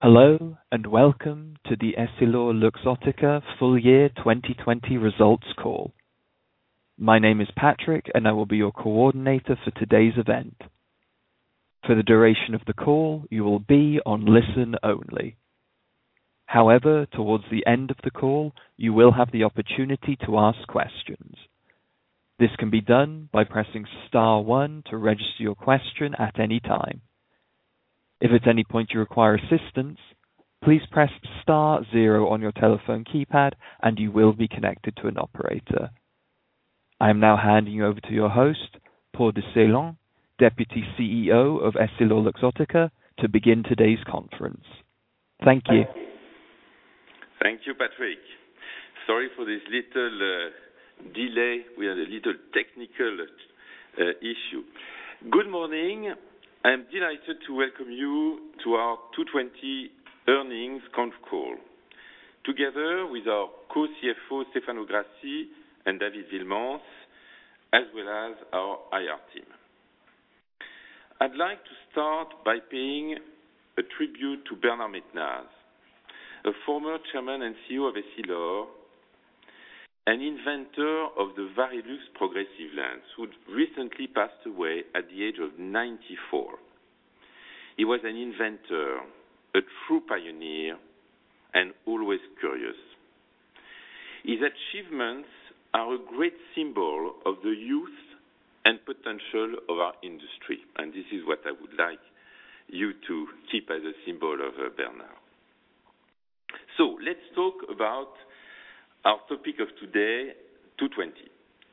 Hello, and welcome to the EssilorLuxottica full year 2020 results call. My name is Patrick, and I will be your coordinator for today's event. For the duration of the call, you will be on listen only. However, towards the end of the call, you will have the opportunity to ask questions. This can be done by pressing star one to register your question at any time. If at any point you require assistance, please press star zero on your telephone keypad, and you will be connected to an operator. I am now handing you over to your host, Paul du Saillant, Deputy CEO of EssilorLuxottica, to begin today's conference. Thank you. Thank you, Patrick. Sorry for this little delay. We had a little technical issue. Good morning. I'm delighted to welcome you to our 2020 earnings conf call, together with our co-CFO, Stefano Grassi, and David Wielemans, as well as our IR team. I'd like to start by paying a tribute to Bernard Maitenaz, a former Chairman and CEO of Essilor, an inventor of the Varilux progressive lens, who recently passed away at the age of 94. He was an inventor, a true pioneer, and always curious. His achievements are a great symbol of the youth and potential of our industry. This is what I would like you to keep as a symbol of Bernard. Let's talk about our topic of today, 2020.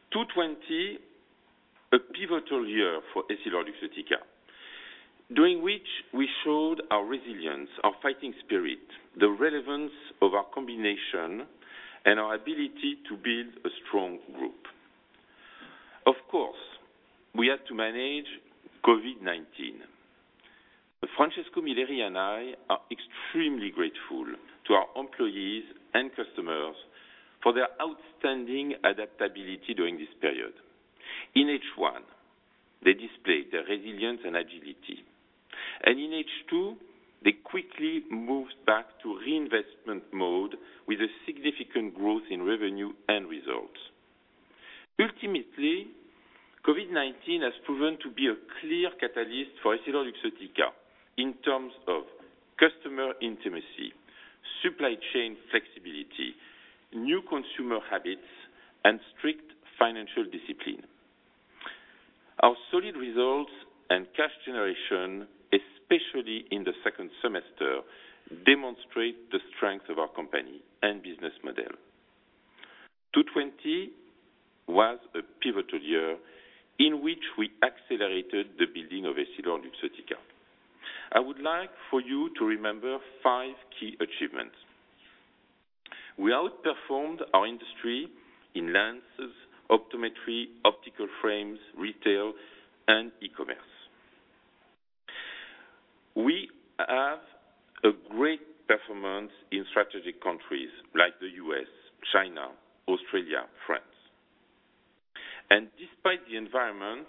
2020, a pivotal year for EssilorLuxottica, during which we showed our resilience, our fighting spirit, the relevance of our combination, and our ability to build a strong group. Of course, we had to manage COVID-19, but Francesco Milleri and I are extremely grateful to our employees and customers for their outstanding adaptability during this period. In H1, they displayed their resilience and agility, and in H2, they quickly moved back to reinvestment mode with a significant growth in revenue and results. Ultimately, COVID-19 has proven to be a clear catalyst for EssilorLuxottica in terms of customer intimacy, supply chain flexibility, new consumer habits, and strict financial discipline. Our solid results and cash generation, especially in the second semester, demonstrate the strength of our company and business model. 2020 was a pivotal year in which we accelerated the building of EssilorLuxottica. I would like for you to remember five key achievements. We outperformed our industry in lenses, optometry, optical frames, retail, and e-commerce. We have a great performance in strategic countries like the U.S., China, Australia, France. Despite the environment,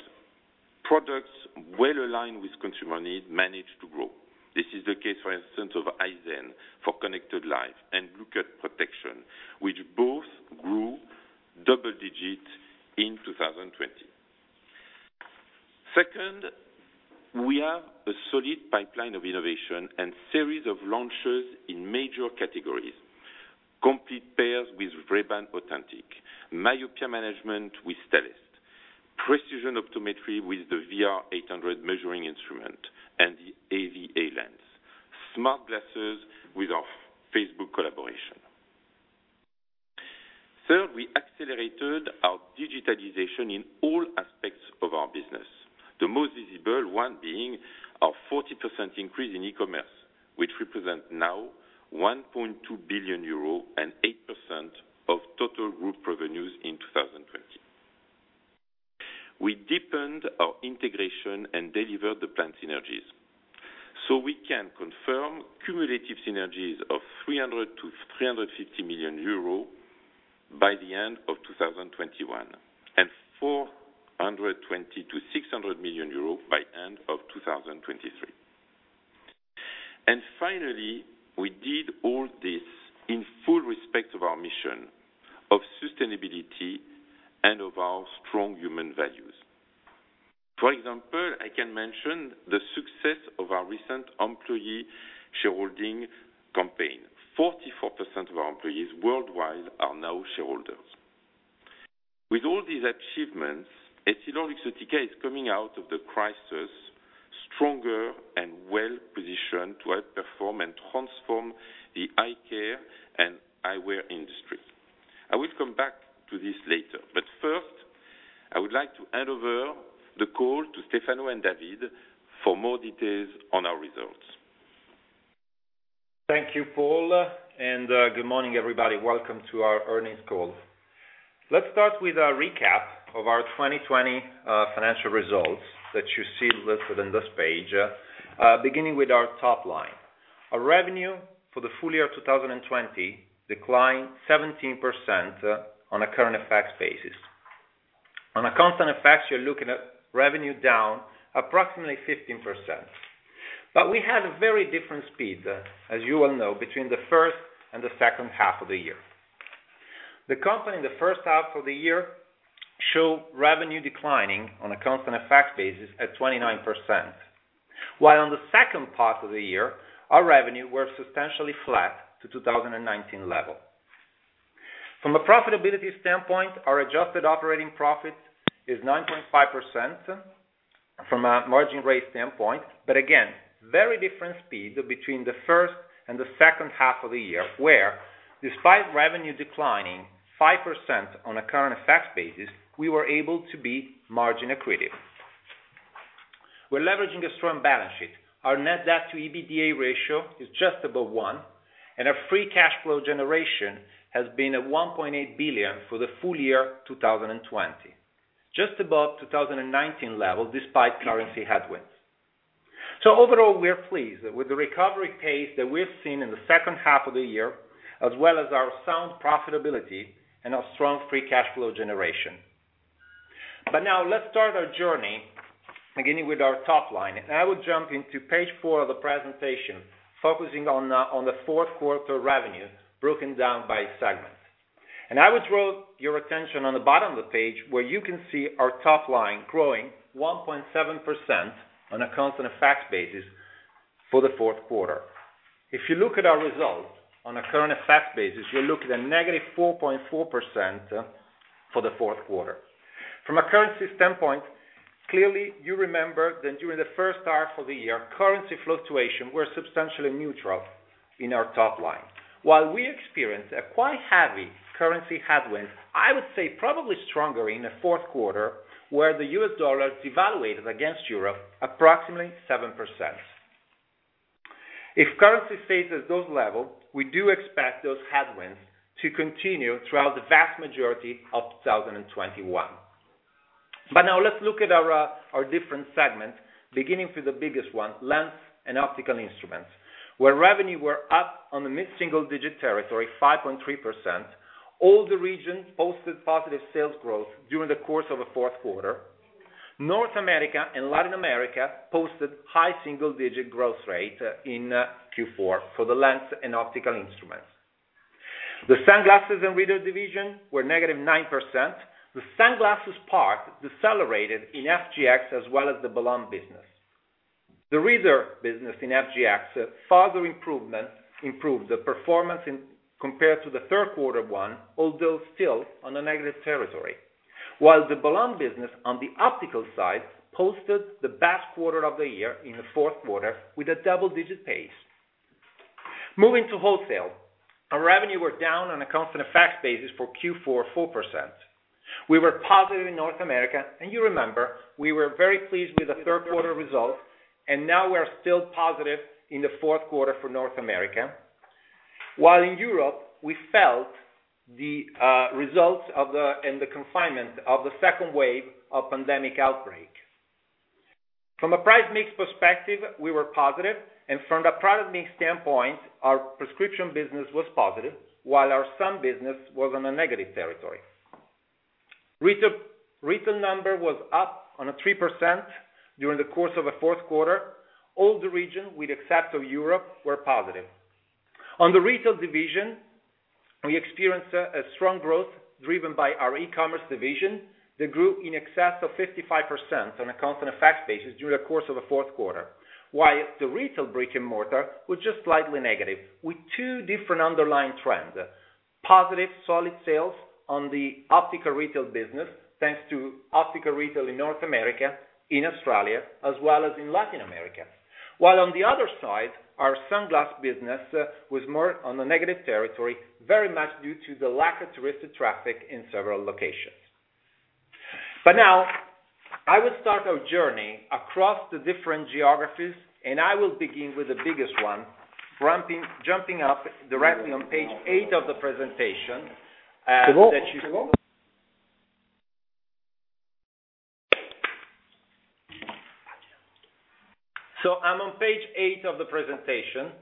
products well-aligned with consumer needs managed to grow. This is the case, for instance, of Eyezen for connected life and BlueProtect protection, which both grew double-digit in 2020. Second, we have a solid pipeline of innovation and series of launches in major categories: complete pairs with Ray-Ban Authentic, myopia management with Stellest, precision optometry with the Vision-R 800 measuring instrument and the AVA lens, smart glasses with our Facebook collaboration. Third, we accelerated our digitalization in all aspects of our business. The most visible one being our 40% increase in e-commerce, which represent now 1.2 billion euro and 8% of total group revenues in 2020. We deepened our integration and delivered the planned synergies. We can confirm cumulative synergies of 300 million-350 million euro by the end of 2021, and 420 million-600 million euro by end of 2023. Finally, we did all this in full respect of our mission of sustainability and of our strong human values. For example, I can mention the success of our recent employee shareholding campaign. 44% of our employees worldwide are now shareholders. With all these achievements, EssilorLuxottica is coming out of the crisis stronger and well-positioned to outperform and transform the eye care and eyewear industry. I will come back to this later, but first, I would like to hand over the call to Stefano and David for more details on our results. Thank you, Paul, and good morning, everybody. Welcome to our earnings call. Let's start with a recap of our 2020 financial results that you see listed on this page. Beginning with our top line. Our revenue for the full year 2020 declined 17% on a current FX basis. On a constant FX, you're looking at revenue down approximately 15%. We had very different speeds, as you well know, between the first and the second half of the year. The company in the first half of the year show revenue declining on a constant FX basis at 29%, while in the second part of the year, our revenue was substantially flat to 2019 level. From a profitability standpoint, our adjusted operating profit is 9.5% from a margin rate standpoint. Again, very different speeds between the first and the second half of the year, where despite revenue declining 5% on a current FX basis, we were able to be margin accretive. We're leveraging a strong balance sheet. Our net debt to EBITDA ratio is just above one, and our free cash flow generation has been at 1.8 billion for the full year 2020, just above 2019 level despite currency headwinds. Overall, we are pleased with the recovery pace that we've seen in the second half of the year, as well as our sound profitability and our strong free cash flow generation. Now let's start our journey, beginning with our top line. I would jump into page four of the presentation, focusing on the fourth quarter revenue broken down by segment. I would draw your attention on the bottom of the page where you can see our top line growing 1.7% on a constant FX basis for the fourth quarter. If you look at our results on a current FX basis, you look at a negative 4.4% for the fourth quarter. From a currency standpoint, clearly, you remember that during the first half of the year, currency fluctuations were substantially neutral in our top line. While we experienced a quite heavy currency headwind, I would say probably stronger in the fourth quarter, where the US dollar devaluated against Europe approximately 7%. If currency stays at those levels, we do expect those headwinds to continue throughout the vast majority of 2021. Now let's look at our different segments, beginning with the biggest one, lens and optical instruments, where revenue were up on the mid-single digit territory, 5.3%. All the regions posted positive sales growth during the course of the fourth quarter. North America and Latin America posted high single-digit growth rate in Q4 for the lens and optical instruments. The sunglasses and reader division were -9%. The sunglasses part decelerated in FGX as well as the Balmain business. The reader business in FGX further improved the performance compared to the third quarter one, although still on a negative territory. While the Balmain business on the optical side posted the best quarter of the year in the fourth quarter with a double-digit pace. Moving to wholesale, our revenue were down on a constant FX basis for Q4, 4%. We were positive in North America. You remember, we were very pleased with the third quarter results. Now we are still positive in the fourth quarter for North America. While in Europe, we felt the results and the confinement of the second wave of pandemic outbreak. From a price mix perspective, we were positive, and from the product mix standpoint, our prescription business was positive, while our sun business was on a negative territory. Retail number was up on a 3% during the course of the fourth quarter. All the regions, with except of Europe, were positive. On the retail division, we experienced a strong growth driven by our e-commerce division that grew in excess of 55% on a constant FX basis during the course of the fourth quarter, while the retail brick and mortar was just slightly negative with two different underlying trends. Positive solid sales on the optical retail business, thanks to optical retail in North America, in Australia, as well as in Latin America. On the other side, our sunglass business was more on the negative territory, very much due to the lack of touristic traffic in several locations. Now I would start our journey across the different geographies, and I will begin with the biggest one, jumping up directly on page eight of the presentation. I'm on page eight of the presentation.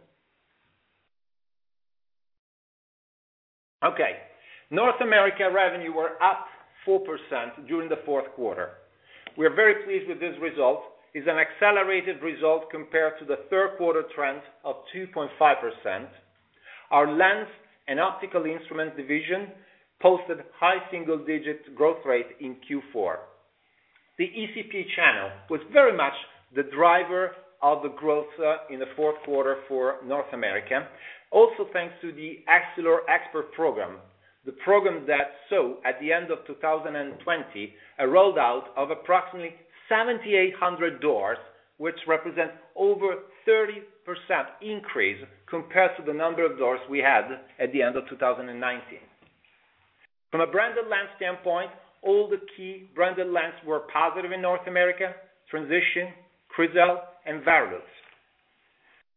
Okay. North America revenue were up 4% during the fourth quarter. We are very pleased with this result. It's an accelerated result compared to the third quarter trend of 2.5%. Our lens and optical instrument division posted high single-digit growth rate in Q4. The ECP channel was very much the driver of the growth in the fourth quarter for North America. Also, thanks to the Essilor Experts program, the program that saw at the end of 2020, a rollout of approximately 7,800 doors, which represent over 30% increase compared to the number of doors we had at the end of 2019. From a branded lens standpoint, all the key branded lens were positive in North America, Transitions, Crizal, and Varilux.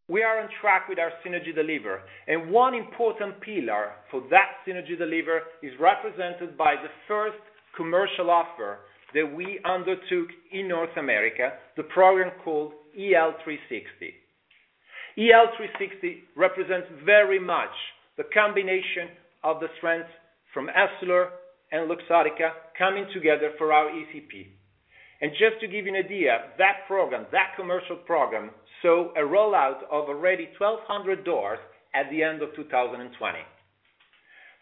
We are on track with our synergy deliver, and one important pillar for that synergy deliver is represented by the first commercial offer that we undertook in North America, the program called EL360. EL360 represents very much the combination of the strengths from Essilor and Luxottica coming together for our ECP. Just to give you an idea, that commercial program saw a rollout of already 1,200 doors at the end of 2020.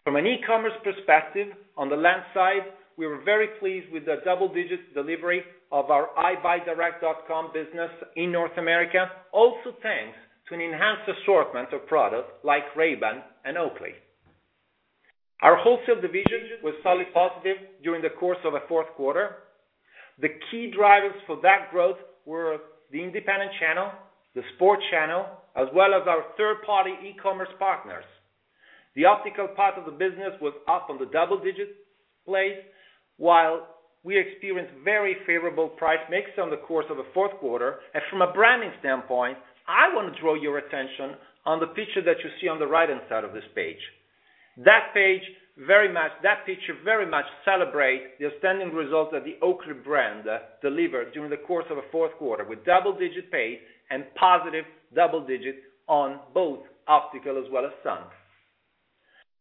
From an e-commerce perspective, on the lens side, we were very pleased with the double-digit delivery of our EyeBuyDirect.com business in North America, also thanks to an enhanced assortment of products like Ray-Ban and Oakley. Our wholesale division was solidly positive during the course of the fourth quarter. The key drivers for that growth were the independent channel, the sports channel, as well as our third-party e-commerce partners. The optical part of the business was up on the double digits place, while we experienced very favorable price mix on the course of the fourth quarter. From a branding standpoint, I want to draw your attention on the picture that you see on the right-hand side of this page. That picture very much celebrates the outstanding results that the Oakley brand delivered during the course of the fourth quarter, with double-digit pace and positive double digits on both optical as well as sun.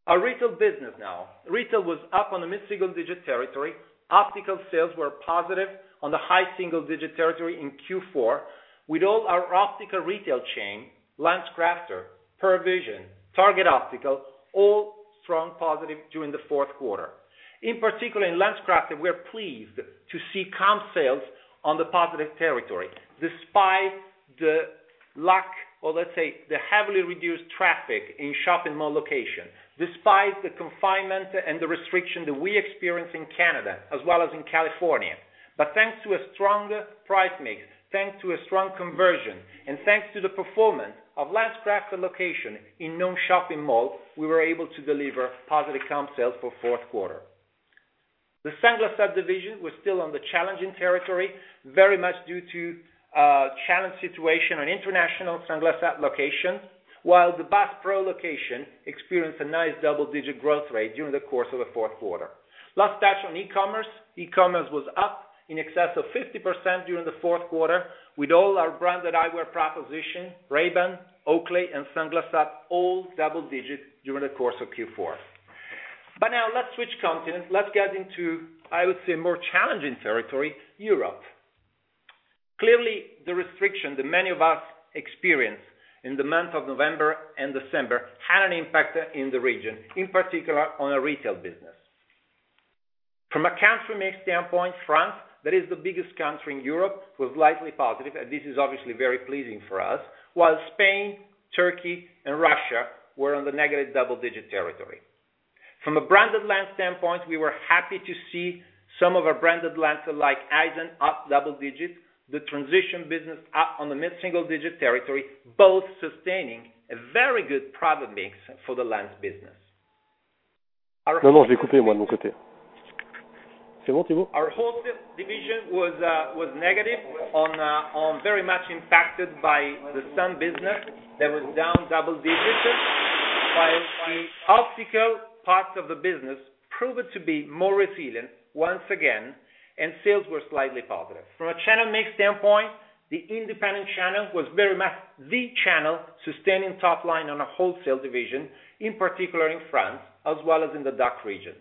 Our retail business now. Retail was up on the mid-single digit territory. Optical sales were positive on the high single-digit territory in Q4, with all our optical retail chain, LensCrafters, Pearle Vision, Target Optical, all strong positive during the fourth quarter. In particular, in LensCrafters, we are pleased to see comp sales on the positive territory, despite the lack, or let's say, the heavily reduced traffic in shopping mall locations, despite the confinement and the restriction that we experienced in Canada as well as in California. Thanks to a stronger price mix, thanks to a strong conversion, and thanks to the performance of LensCrafters locations in non-shopping malls, we were able to deliver positive comp sales for fourth quarter. The Sunglass Hut division was still on the challenging territory, very much due to a challenged situation on international Sunglass Hut locations, while the Bass Pro location experienced a nice double-digit growth rate during the course of the fourth quarter. Last touch on e-commerce, e-commerce was up in excess of 50% during the fourth quarter, with all our branded eyewear propositions, Ray-Ban, Oakley, and Sunglass Hut, all double digits during the course of Q4. Now let's switch continents. Let's get into, I would say, more challenging territory, Europe. Clearly, the restriction that many of us experienced in the months of November and December had an impact in the region, in particular on our retail business. From a country mix standpoint, France, that is the biggest country in Europe, was slightly positive, and this is obviously very pleasing for us, while Spain, Turkey, and Russia were on the negative double-digit territory. From a branded lens standpoint, we were happy to see some of our branded lenses like Eyezen up double digits, the Transitions business up on the mid-single digit territory, both sustaining a very good product mix for the lens business. No, I cut it on my side. Is that it, Thibault? Our wholesale division was negative, very much impacted by the sun business that was down double digits, while the optical part of the business proved to be more resilient once again, and sales were slightly positive. From a channel mix standpoint, the independent channel was very much the channel sustaining top line on a wholesale division, in particular in France as well as in the DACH region.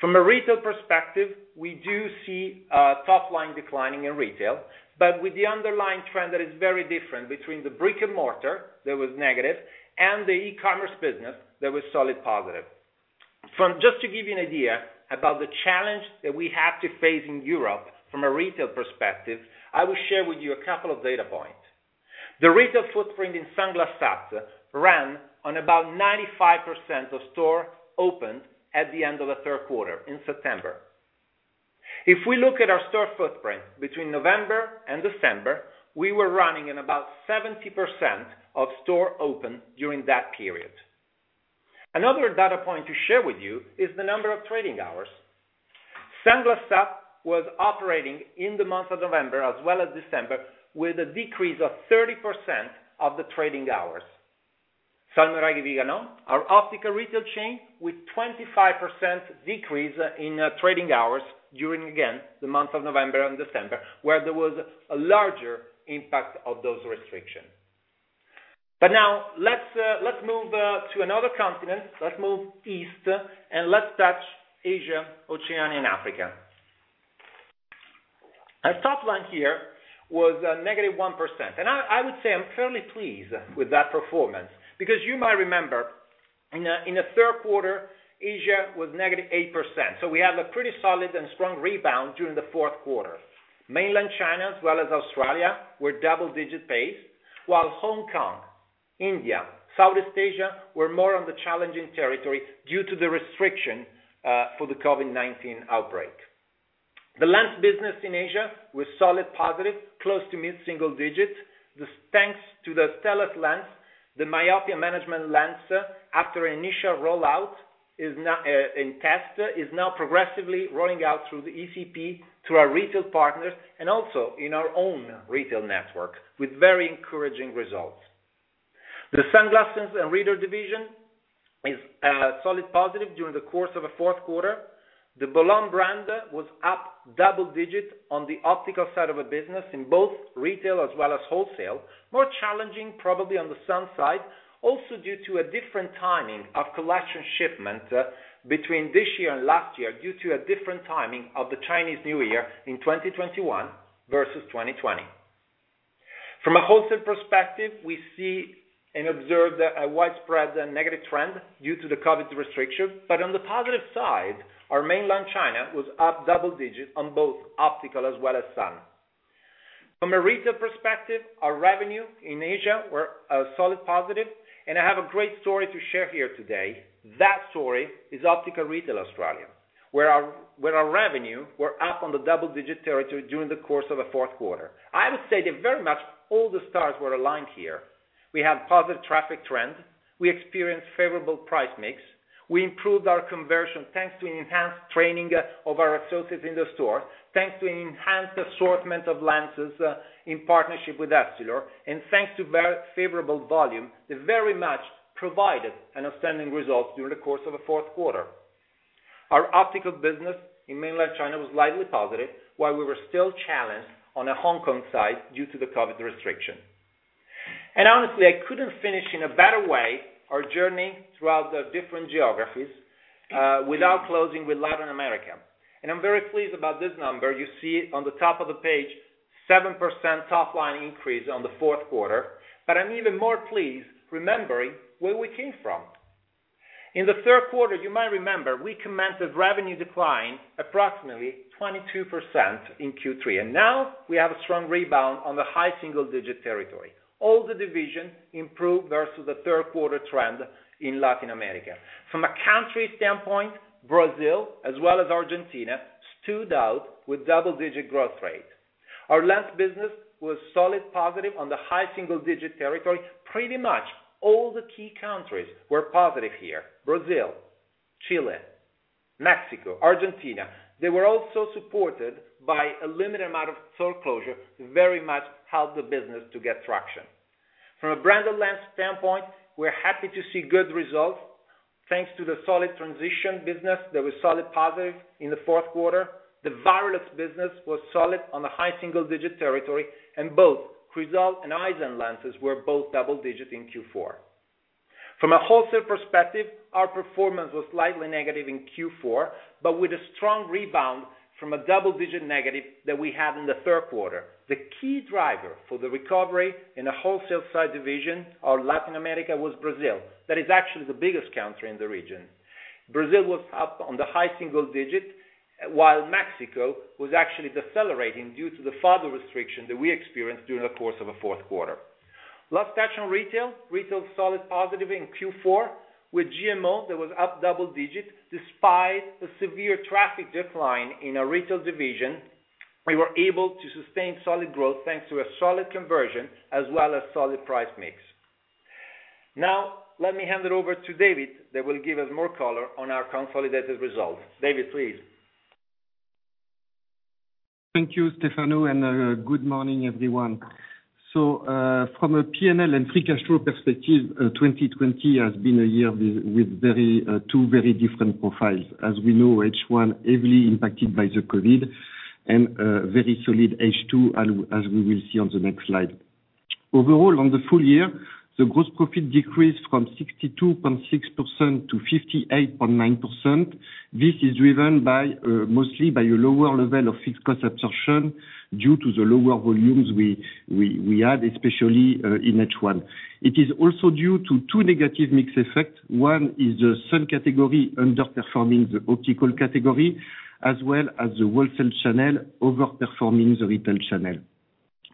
From a retail perspective, we do see top line declining in retail, but with the underlying trend that is very different between the brick and mortar, that was negative, and the e-commerce business, that was solidly positive. Just to give you an idea about the challenge that we have to face in Europe from a retail perspective, I will share with you a couple of data points. The retail footprint in Sunglass Hut ran on about 95% of stores opened at the end of the third quarter in September. If we look at our store footprint between November and December, we were running in about 70% of stores open during that period. Another data point to share with you is the number of trading hours. Sunglass Hut was operating in the month of November as well as December with a decrease of 30% of the trading hours. Salmoiraghi & Viganò, our optical retail chain, with 25% decrease in trading hours during, again, the months of November and December, where there was a larger impact of those restrictions. Now, let's move to another continent. Let's move east, and let's touch Asia, Oceania, and Africa. Our top line here was -1%, and I would say I'm fairly pleased with that performance, because you might remember, in the third quarter, Asia was -8%, so we have a pretty solid and strong rebound during the fourth quarter. Mainland China as well as Australia were double-digit pace, while Hong Kong, India, Southeast Asia, were more on the challenging territory due to the restriction for the COVID-19 outbreak. The lens business in Asia was solid positive, close to mid-single digits. This, thanks to the Stellest lens, the myopia management lens, after initial rollout in test, is now progressively rolling out through the ECP, through our retail partners, and also in our own retail network with very encouraging results. The sunglasses and reader division is solid positive during the course of the fourth quarter. The Bolon brand was up double-digit on the optical side of the business in both retail as well as wholesale. More challenging, probably on the sun side, also due to a different timing of collection shipment between this year and last year, due to a different timing of the Chinese New Year in 2021 versus 2020. From a wholesale perspective, we see and observe a widespread negative trend due to the COVID restriction. On the positive side, our mainland China was up double-digits on both optical as well as sun. From a retail perspective, our revenue in Asia were a solid positive, and I have a great story to share here today. That story is Optical Retail Australia, where our revenue were up on the double-digit territory during the course of the fourth quarter. I would say that very much all the stars were aligned here. We have positive traffic trends. We experienced favorable price mix. We improved our conversion thanks to enhanced training of our associates in the store, thanks to an enhanced assortment of lenses in partnership with Essilor, and thanks to very favorable volume that very much provided an outstanding result during the course of the fourth quarter. Our optical business in mainland China was slightly positive while we were still challenged on the Hong Kong side due to the COVID restriction. Honestly, I couldn't finish in a better way our journey throughout the different geographies without closing with Latin America. I'm very pleased about this number. You see on the top of the page, 7% top line increase on the fourth quarter. I'm even more pleased remembering where we came from. In the third quarter, you might remember we commenced a revenue decline approximately 22% in Q3. Now we have a strong rebound on the high single-digit territory. All the divisions improved versus the third quarter trend in Latin America. From a country standpoint, Brazil as well as Argentina stood out with double-digit growth rate. Our lens business was solid positive on the high single-digit territory. Pretty much all the key countries were positive here. Brazil, Chile, Mexico, Argentina. They were also supported by a limited amount of store closure that very much helped the business to get traction. From a branded lens standpoint, we're happy to see good results. Thanks to the solid Transitions business that was solid positive in the fourth quarter. The Varilux business was solid on a high single-digit territory. Both Crizal and Eyezen lenses were both double digit in Q4. From a wholesale perspective, our performance was slightly negative in Q4, but with a strong rebound from a double-digit negative that we had in the third quarter. The key driver for the recovery in the wholesale side division of Latin America was Brazil. That is actually the biggest country in the region. Brazil was up on the high single digit, while Mexico was actually decelerating due to the further restriction that we experienced during the course of the fourth quarter. Last touch on retail. Retail is solid positive in Q4 with GMO that was up double digits. Despite the severe traffic decline in our retail division, we were able to sustain solid growth thanks to a solid conversion as well as solid price mix. Now, let me hand it over to David that will give us more color on our consolidated results. David, please. Thank you, Stefano, and good morning, everyone. From a P&L and free cash flow perspective, 2020 has been a year with two very different profiles. As we know, H1 heavily impacted by the COVID-19 and very solid H2, as we will see on the next slide. Overall, on the full year, the gross profit decreased from 62.6%-58.9%. This is driven mostly by a lower level of fixed cost absorption due to the lower volumes we had, especially in H1. It is also due to two negative mix effects. One is the sun category underperforming the optical category, as well as the wholesale channel overperforming the retail channel.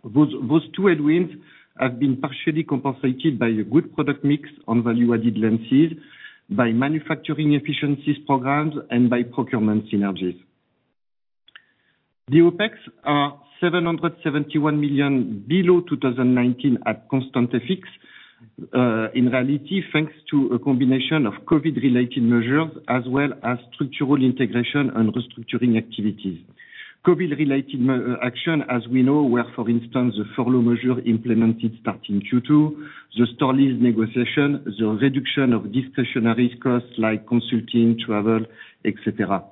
Those two headwinds have been partially compensated by a good product mix on value-added lenses, by manufacturing efficiencies programs, and by procurement synergies. The OpEx are 771 million below 2019 at constant FX. In reality, thanks to a combination of COVID-related measures as well as structural integration and restructuring activities. COVID-related action, as we know, were, for instance, the furlough measure implemented starting Q2, the store lease negotiation, the reduction of discretionary costs like consulting, travel, et cetera.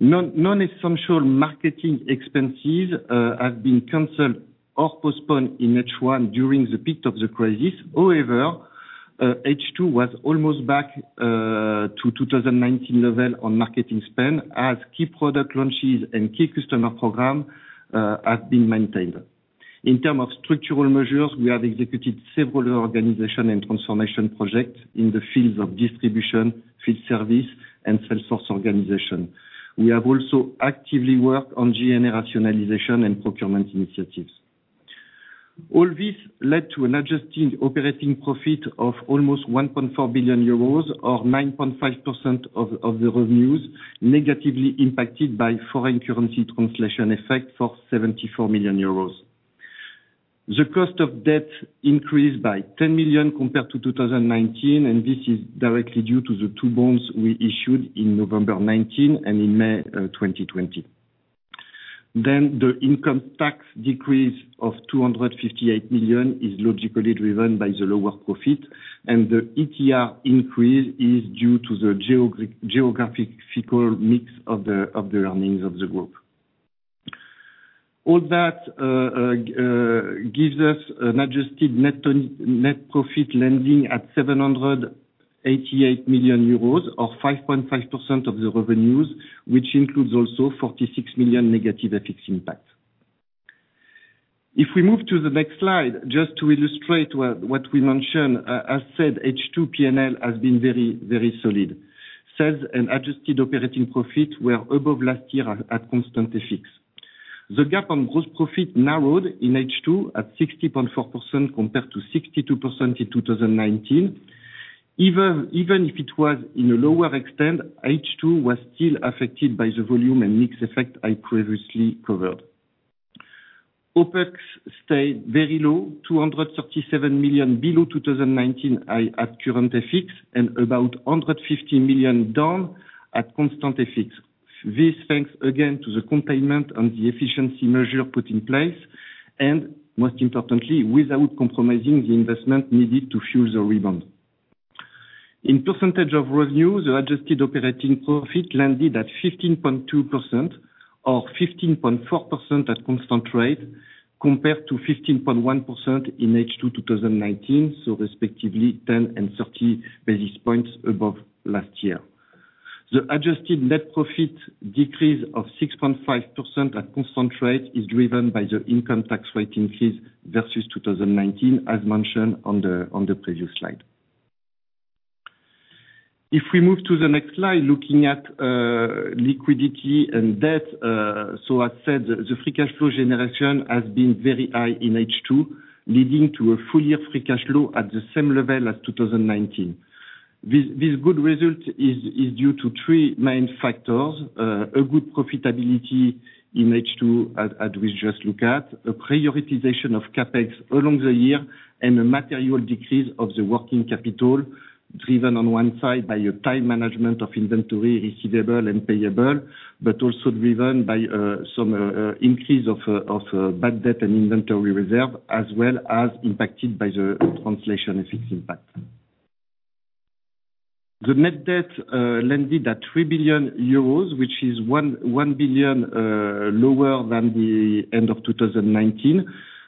Non-essential marketing expenses have been canceled or postponed in H1 during the peak of the crisis. However, H2 was almost back to 2019 level on marketing spend as key product launches and key customer program have been maintained. In terms of structural measures, we have executed several organization and transformation projects in the fields of distribution, field service, and salesforce organization. We have also actively worked on G&A rationalization and procurement initiatives. All this led to an adjusted operating profit of almost 1.4 billion euros or 9.5% of the revenues negatively impacted by foreign currency translation effect for 74 million euros. The cost of debt increased by 10 million compared to 2019. This is directly due to the two bonds we issued in November 2019 and in May 2020. The income tax decrease of 258 million is logically driven by the lower profit. The ETR increase is due to the geographical mix of the earnings of the group. All that gives us an adjusted net profit landing at 788 million euros or 5.5% of the revenues, which includes also 46 million negative FX impact. If we move to the next slide, just to illustrate what we mentioned, as said, H2 P&L has been very solid. Sales and adjusted operating profit were above last year at constant FX. The gap on gross profit narrowed in H2 at 60.4% compared to 62% in 2019. Even if it was in a lower extent, H2 was still affected by the volume and mix effect I previously covered. OpEx stayed very low, 237 million below 2019 at current FX, and about 150 million down at constant FX. This thanks again to the containment and the efficiency measure put in place, and most importantly, without compromising the investment needed to fuel the rebound. In percentage of revenue, the adjusted operating profit landed at 15.2% or 15.4% at constant rate compared to 15.1% in H2 2019. Respectively 10 and 30 basis points above last year. The adjusted net profit decrease of 6.5% at constant rate is driven by the income tax rate increase versus 2019, as mentioned on the previous slide. If we move to the next slide, looking at liquidity and debt. As said, the free cash flow generation has been very high in H2, leading to a full year free cash flow at the same level as 2019. This good result is due to three main factors. A good profitability in H2, as we just look at, a prioritization of CapEx along the year, and a material decrease of the working capital driven on one side by a tight management of inventory receivable and payable, but also driven by some increase of bad debt and inventory reserve, as well as impacted by the translation and FX impact. The net debt landed at 3 billion euros, which is 1 billion lower than the end of 2019.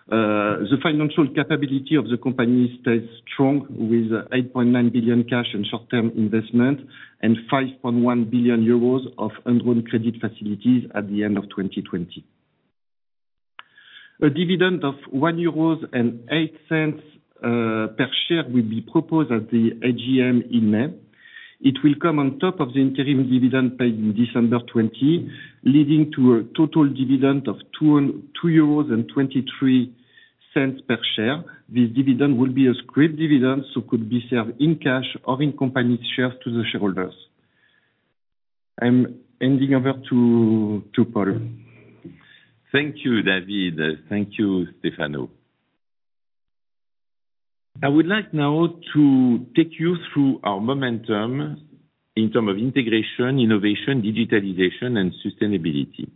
The financial capability of the company stays strong with 8.9 billion cash and short-term investment and 5.1 billion euros of undrawn credit facilities at the end of 2020. A dividend of 1.08 euros per share will be proposed at the AGM in May. It will come on top of the interim dividend paid in December 2020, leading to a total dividend of 2.23 euros per share. This dividend will be a scrip dividend, so could be served in cash or in company shares to the shareholders. I'm handing over to Paul. Thank you, David. Thank you, Stefano. I would like now to take you through our momentum in term of integration, innovation, digitalization, and sustainability.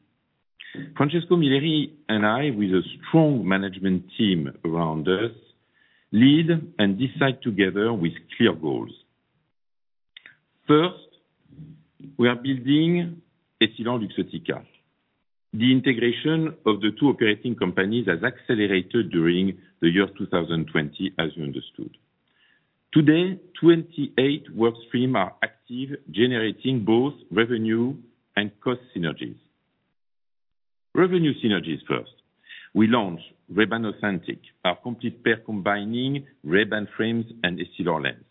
Francesco Milleri and I, with a strong management team around us, lead and decide together with clear goals. First, we are building EssilorLuxottica. The integration of the two operating companies has accelerated during the year 2020, as you understood. Today, 28 work stream are active, generating both revenue and cost synergies. Revenue synergies first. We launched Ray-Ban Authentic, our complete pair combining Ray-Ban frames and Essilor lens.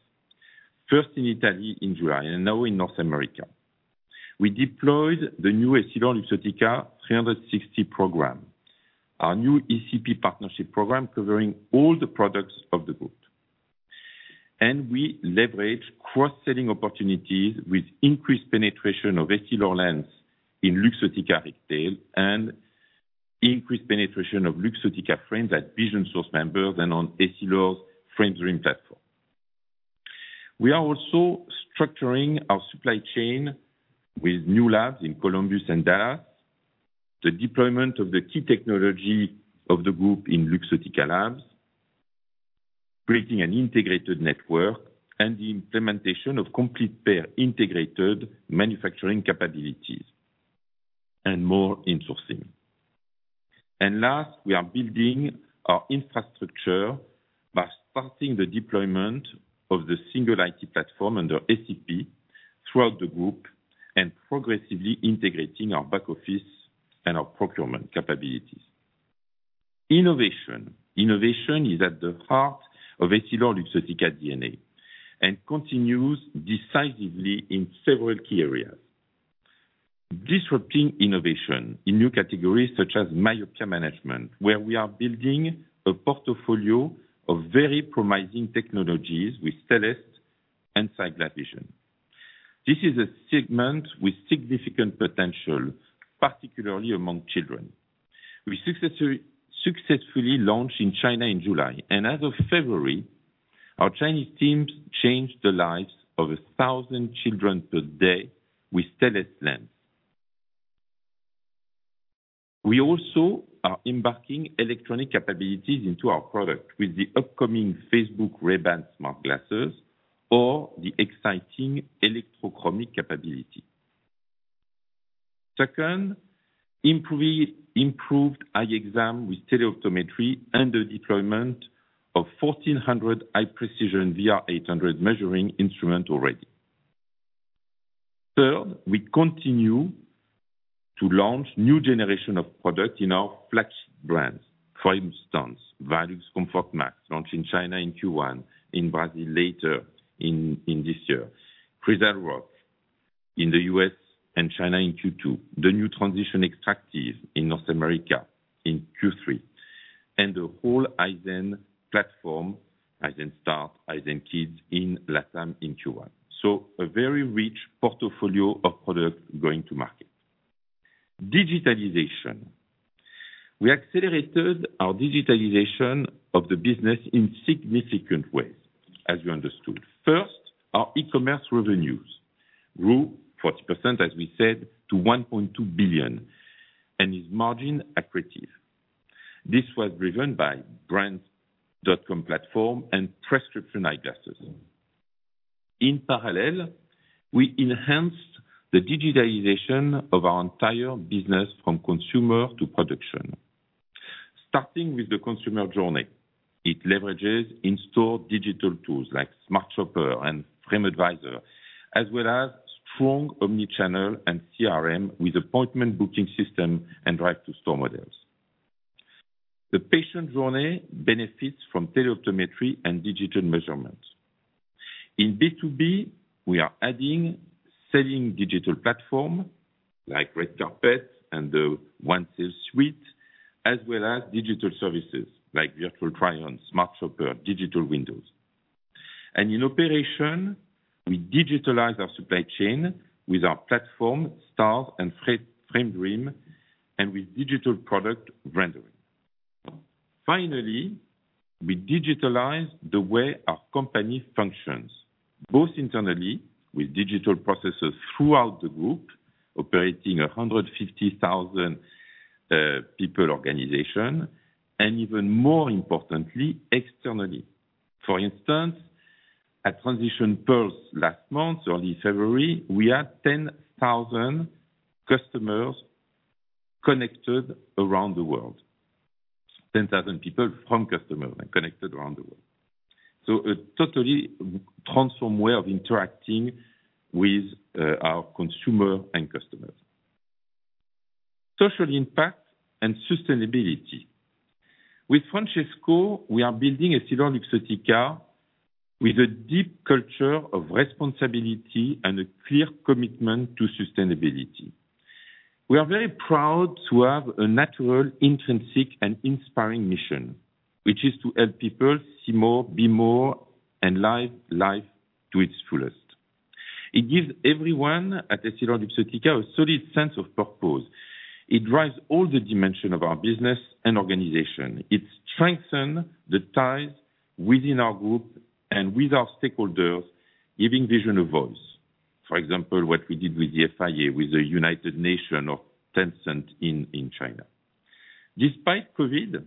First in Italy in July, and now in North America. We deployed the new EssilorLuxottica 360 program, our new ECP partnership program covering all the products of the group. We leverage cross-selling opportunities with increased penetration of Essilor lens in Luxottica retail and increased penetration of Luxottica frames at Vision Source members and on Essilor's Frame Dream platform. We are also structuring our supply chain with new labs in Columbus and Dallas, the deployment of the key technology of the group in Luxottica Labs, creating an integrated network, and the implementation of complete pair integrated manufacturing capabilities and more insourcing. Last, we are building our infrastructure by starting the deployment of the single IT platform under SAP throughout the group and progressively integrating our back office and our procurement capabilities. Innovation. Innovation is at the heart of EssilorLuxottica DNA and continues decisively in several key areas. Disrupting innovation in new categories such as myopia management, where we are building a portfolio of very promising technologies with Stellest and Cyclovision. This is a segment with significant potential, particularly among children. We successfully launched in China in July. As of February, our Chinese teams changed the lives of 1,000 children per day with Stellest lens. We also are embarking electronic capabilities into our product with the upcoming Facebook Ray-Ban smart glasses, or the exciting electrochromic capability. Second, improved eye exam with teleoptometry and the deployment of 1,400 high precision Vision-R 800 measuring instrument already. Third, we continue to launch new generation of product in our flagship brands. For instance, Varilux Comfort Max, launched in China in Q1, in Brazil later in this year. Crizal Rock in the U.S. and China in Q2. The new Transitions XTRActive in North America in Q3, and the whole Eyezen platform, Eyezen Start, Eyezen Kids in LATAM in Q1. A very rich portfolio of products going to market. Digitalization. We accelerated our digitalization of the business in significant ways, as you understood. First, our e-commerce revenues grew 40%, as we said, to 1.2 billion, and is margin accretive. This was driven by brands.com platform and prescription eyeglasses. In parallel, we enhanced the digitalization of our entire business from consumer to production. Starting with the consumer journey, it leverages in-store digital tools like Smart Shopper and Frame Advisor, as well as strong omnichannel and CRM with appointment booking system and drive-to-store models. The patient journey benefits from teleoptometry and digital measurements. In B2B, we are adding selling digital platform like Red Carpet and the One Sales Suite, as well as digital services like virtual try-on, Smart Shopper, digital windows. In operation, we digitalize our supply chain with our platform, STAR and Framedream, and with digital product rendering. Finally, we digitalize the way our company functions, both internally with digital processes throughout the group, operating 150,000 people organization, and even more importantly, externally. For instance, at Transitions Pulse last month, early February, we had 10,000 customers connected around the world. 10,000 people from customers and connected around the world. A totally transformed way of interacting with our consumer and customers. Social impact and sustainability. With Francesco, we are building EssilorLuxottica with a deep culture of responsibility and a clear commitment to sustainability. We are very proud to have a natural, intrinsic, and inspiring mission, which is to help people see more, be more, and live life to its fullest. It gives everyone at EssilorLuxottica a solid sense of purpose. It drives all the dimension of our business and organization. It strengthen the ties within our group and with our stakeholders, giving vision a voice. For example, what we did with the FIA, with the United Nations of Tencent in China. Despite COVID,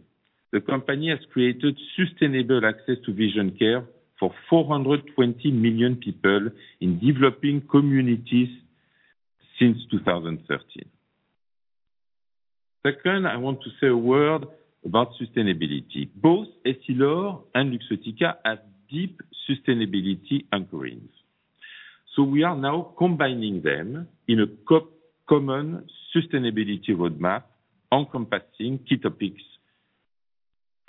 the company has created sustainable access to vision care for 420 million people in developing communities since 2013. Second, I want to say a word about sustainability. Both Essilor and Luxottica have deep sustainability anchorings. We are now combining them in a common sustainability roadmap encompassing key topics: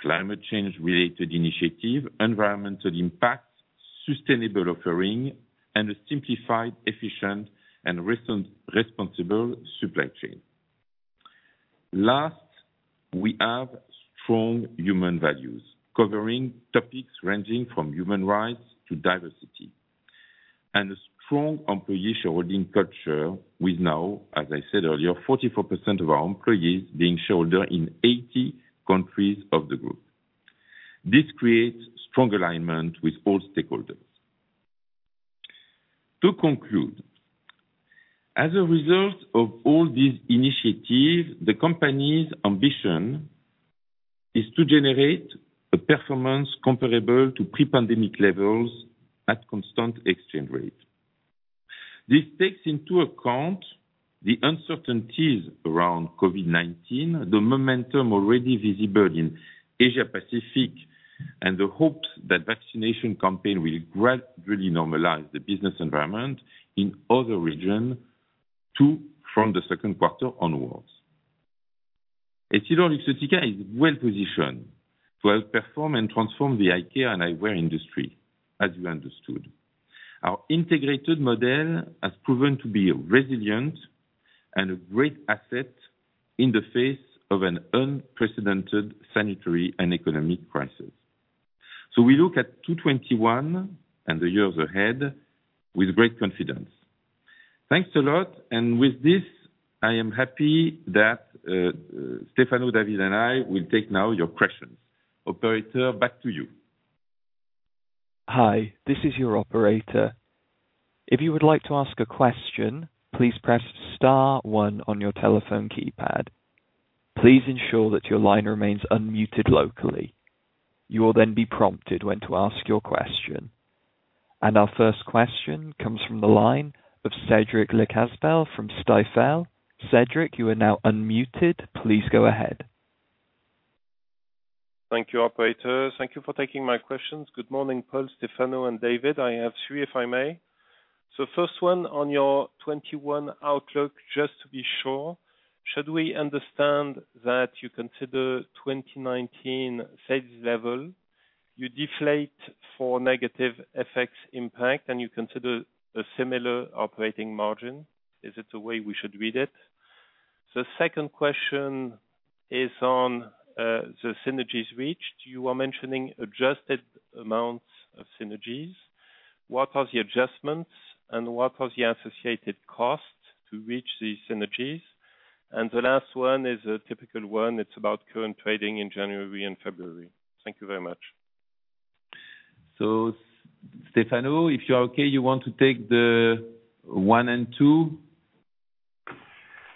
climate change-related initiative, environmental impact, sustainable offering, and a simplified, efficient, and responsible supply chain. Last, we have strong human values covering topics ranging from human rights to diversity, and a strong employee shareholding culture with now, as I said earlier, 44% of our employees being shareholder in 80 countries of the group. This creates strong alignment with all stakeholders. To conclude, as a result of all these initiatives, the company's ambition is to generate a performance comparable to pre-pandemic levels at constant exchange rate. This takes into account the uncertainties around COVID-19, the momentum already visible in Asia-Pacific, and the hopes that vaccination campaign will gradually normalize the business environment in other region too, from the second quarter onwards. EssilorLuxottica is well-positioned to outperform and transform the eye care and eyewear industry, as you understood. Our integrated model has proven to be resilient and a great asset in the face of an unprecedented sanitary and economic crisis. We look at 2021 and the years ahead with great confidence. Thanks a lot. With this, I am happy that Stefano, David, and I will take now your questions. Operator, back to you. Our first question comes from the line of Cédric Lecasble from Stifel. Cédric, you are now unmuted. Please go ahead. Thank you, operator. Thank you for taking my questions. Good morning, Paul, Stefano, and David. I have three, if I may. First one on your 2021 outlook, just to be sure, should we understand that you consider 2019 sales level, you deflate for negative FX impact, and you consider a similar operating margin? Is it the way we should read it? Second question is on the synergies reached. You were mentioning adjusted amounts of synergies. What are the adjustments, and what are the associated costs to reach these synergies? The last one is a typical one. It is about current trading in January and February. Thank you very much. Stefano, if you are okay, you want to take the one and two?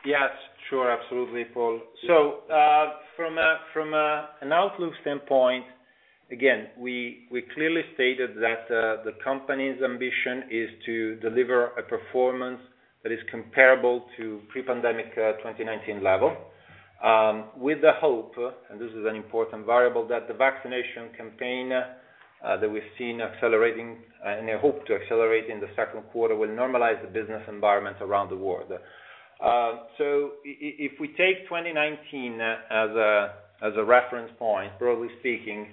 Yes. Sure. Absolutely, Paul. From an outlook standpoint, again, we clearly stated that the company's ambition is to deliver a performance that is comparable to pre-pandemic 2019 level, with the hope, and this is an important variable, that the vaccination campaign that we've seen accelerating and a hope to accelerate in the second quarter will normalize the business environment around the world. If we take 2019 as a reference point, broadly speaking,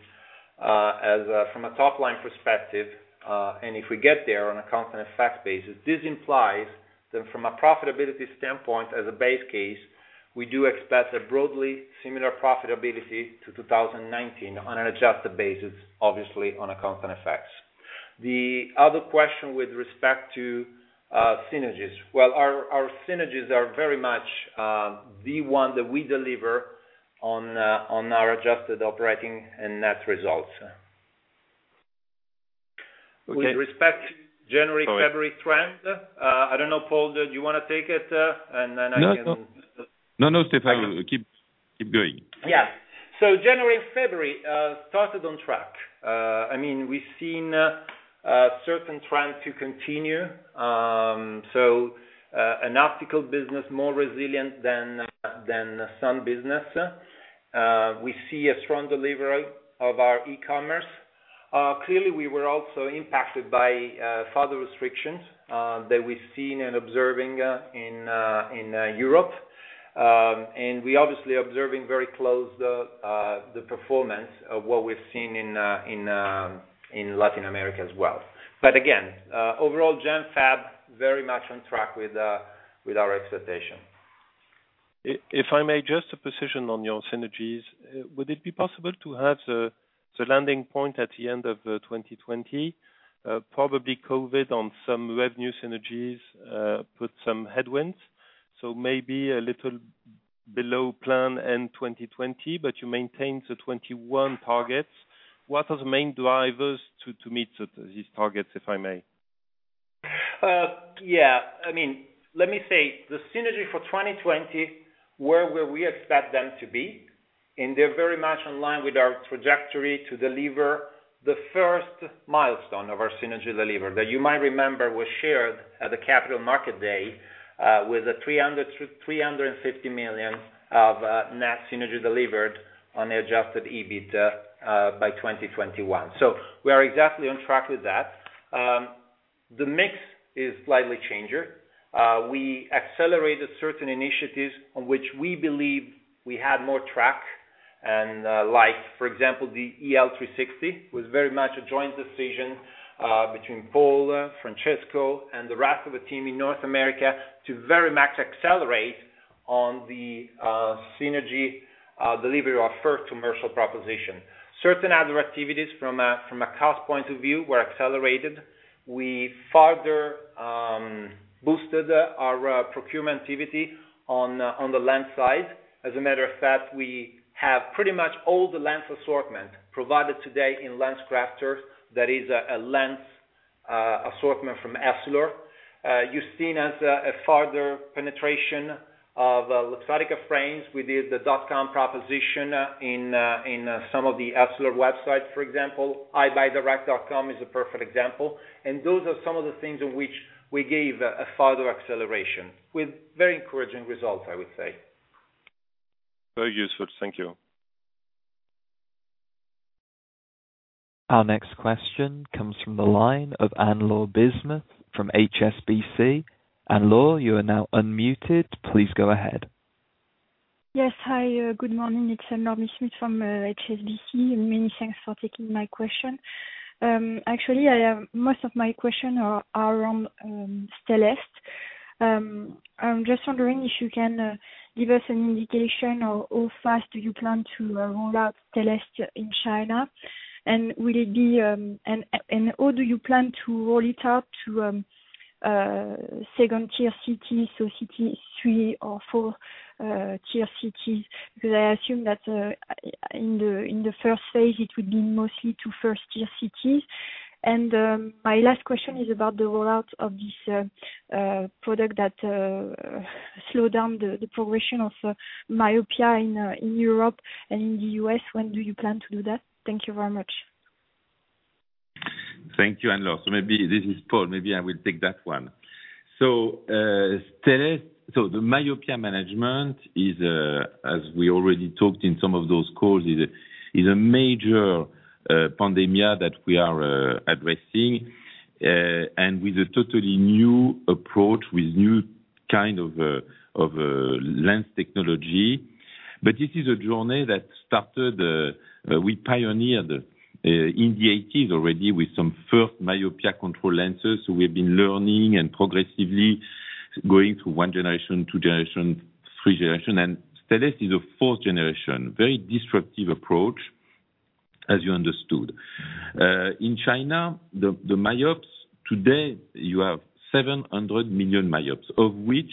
from a top-line perspective, and if we get there on a constant effect basis, this implies that from a profitability standpoint as a base case, we do expect a broadly similar profitability to 2019 on an adjusted basis, obviously on a constant effects. The other question with respect to synergies. Our synergies are very much the one that we deliver on our adjusted operating and net results. Okay. With respect to January, February trend, I don't know, Paul, do you want to take it? No, Stefano. Keep going. January, February, started on track. We've seen certain trends to continue. An optical business more resilient than some business. We see a strong delivery of our e-commerce. Clearly, we were also impacted by further restrictions that we've seen and observing in Europe. We obviously observing very close the performance of what we've seen in Latin America as well. Again, overall, Jan, Feb, very much on track with our expectation. If I may just to precision on your synergies, would it be possible to have the landing point at the end of 2020? Probably COVID on some revenue synergies put some headwinds, so maybe a little below plan in 2020, but you maintain the 2021 targets. What are the main drivers to meet these targets, if I may? Yeah. Let me say, the synergy for 2020 were where we expect them to be, and they're very much in line with our trajectory to deliver the first milestone of our synergy delivery, that you might remember was shared at the Capital Market Day, with a 350 million of net synergy delivered on the adjusted EBIT by 2021. We are exactly on track with that. The mix is slightly changed. We accelerated certain initiatives on which we believe we had more track and like, for example, the EL360, was very much a joint decision between Paul, Francesco, and the rest of the team in North America to very much accelerate on the synergy delivery of first commercial proposition. Certain other activities from a cost point of view were accelerated. We further boosted our procurement activity on the lens side. As a matter of fact, we have pretty much all the lens assortment provided today in LensCrafters that is a lens assortment from Essilor. You've seen as a further penetration of Luxottica frames. We did the dot com proposition in some of the Essilor websites, for example, EyeBuyDirect.com is a perfect example. Those are some of the things in which we gave a further acceleration with very encouraging results, I would say. Very useful. Thank you. Our next question comes from the line of Anne-Laure Bismuth from HSBC. Anne-Laure, you are now unmuted. Please go ahead. Yes. Hi, good morning. It's Anne-Laure Bismuth from HSBC, many thanks for taking my question. Actually, most of my question are around Stellest. I'm just wondering if you can give us an indication of how fast do you plan to roll out Stellest in China. How do you plan to roll it out to second-tier cities or cities, three or four tier cities, because I assume that in the first phase it would be mostly to first-tier cities. My last question is about the rollout of this product that slow down the progression of myopia in Europe and in the U.S., when do you plan to do that? Thank you very much. Thank you, Anne-Laure. Maybe this is Paul, maybe I will take that one. The myopia management is, as we already talked in some of those calls, is a major pandemia that we are addressing, and with a totally new approach, with new kind of a lens technology. This is a journey that started, we pioneered in the 1980s already with some first myopia control lenses. We've been learning and progressively going through one generation, two generation, three generation, and Stellest is a fourth generation, very disruptive approach, as you understood. In China, the myopes today, you have 700 million myopes, of which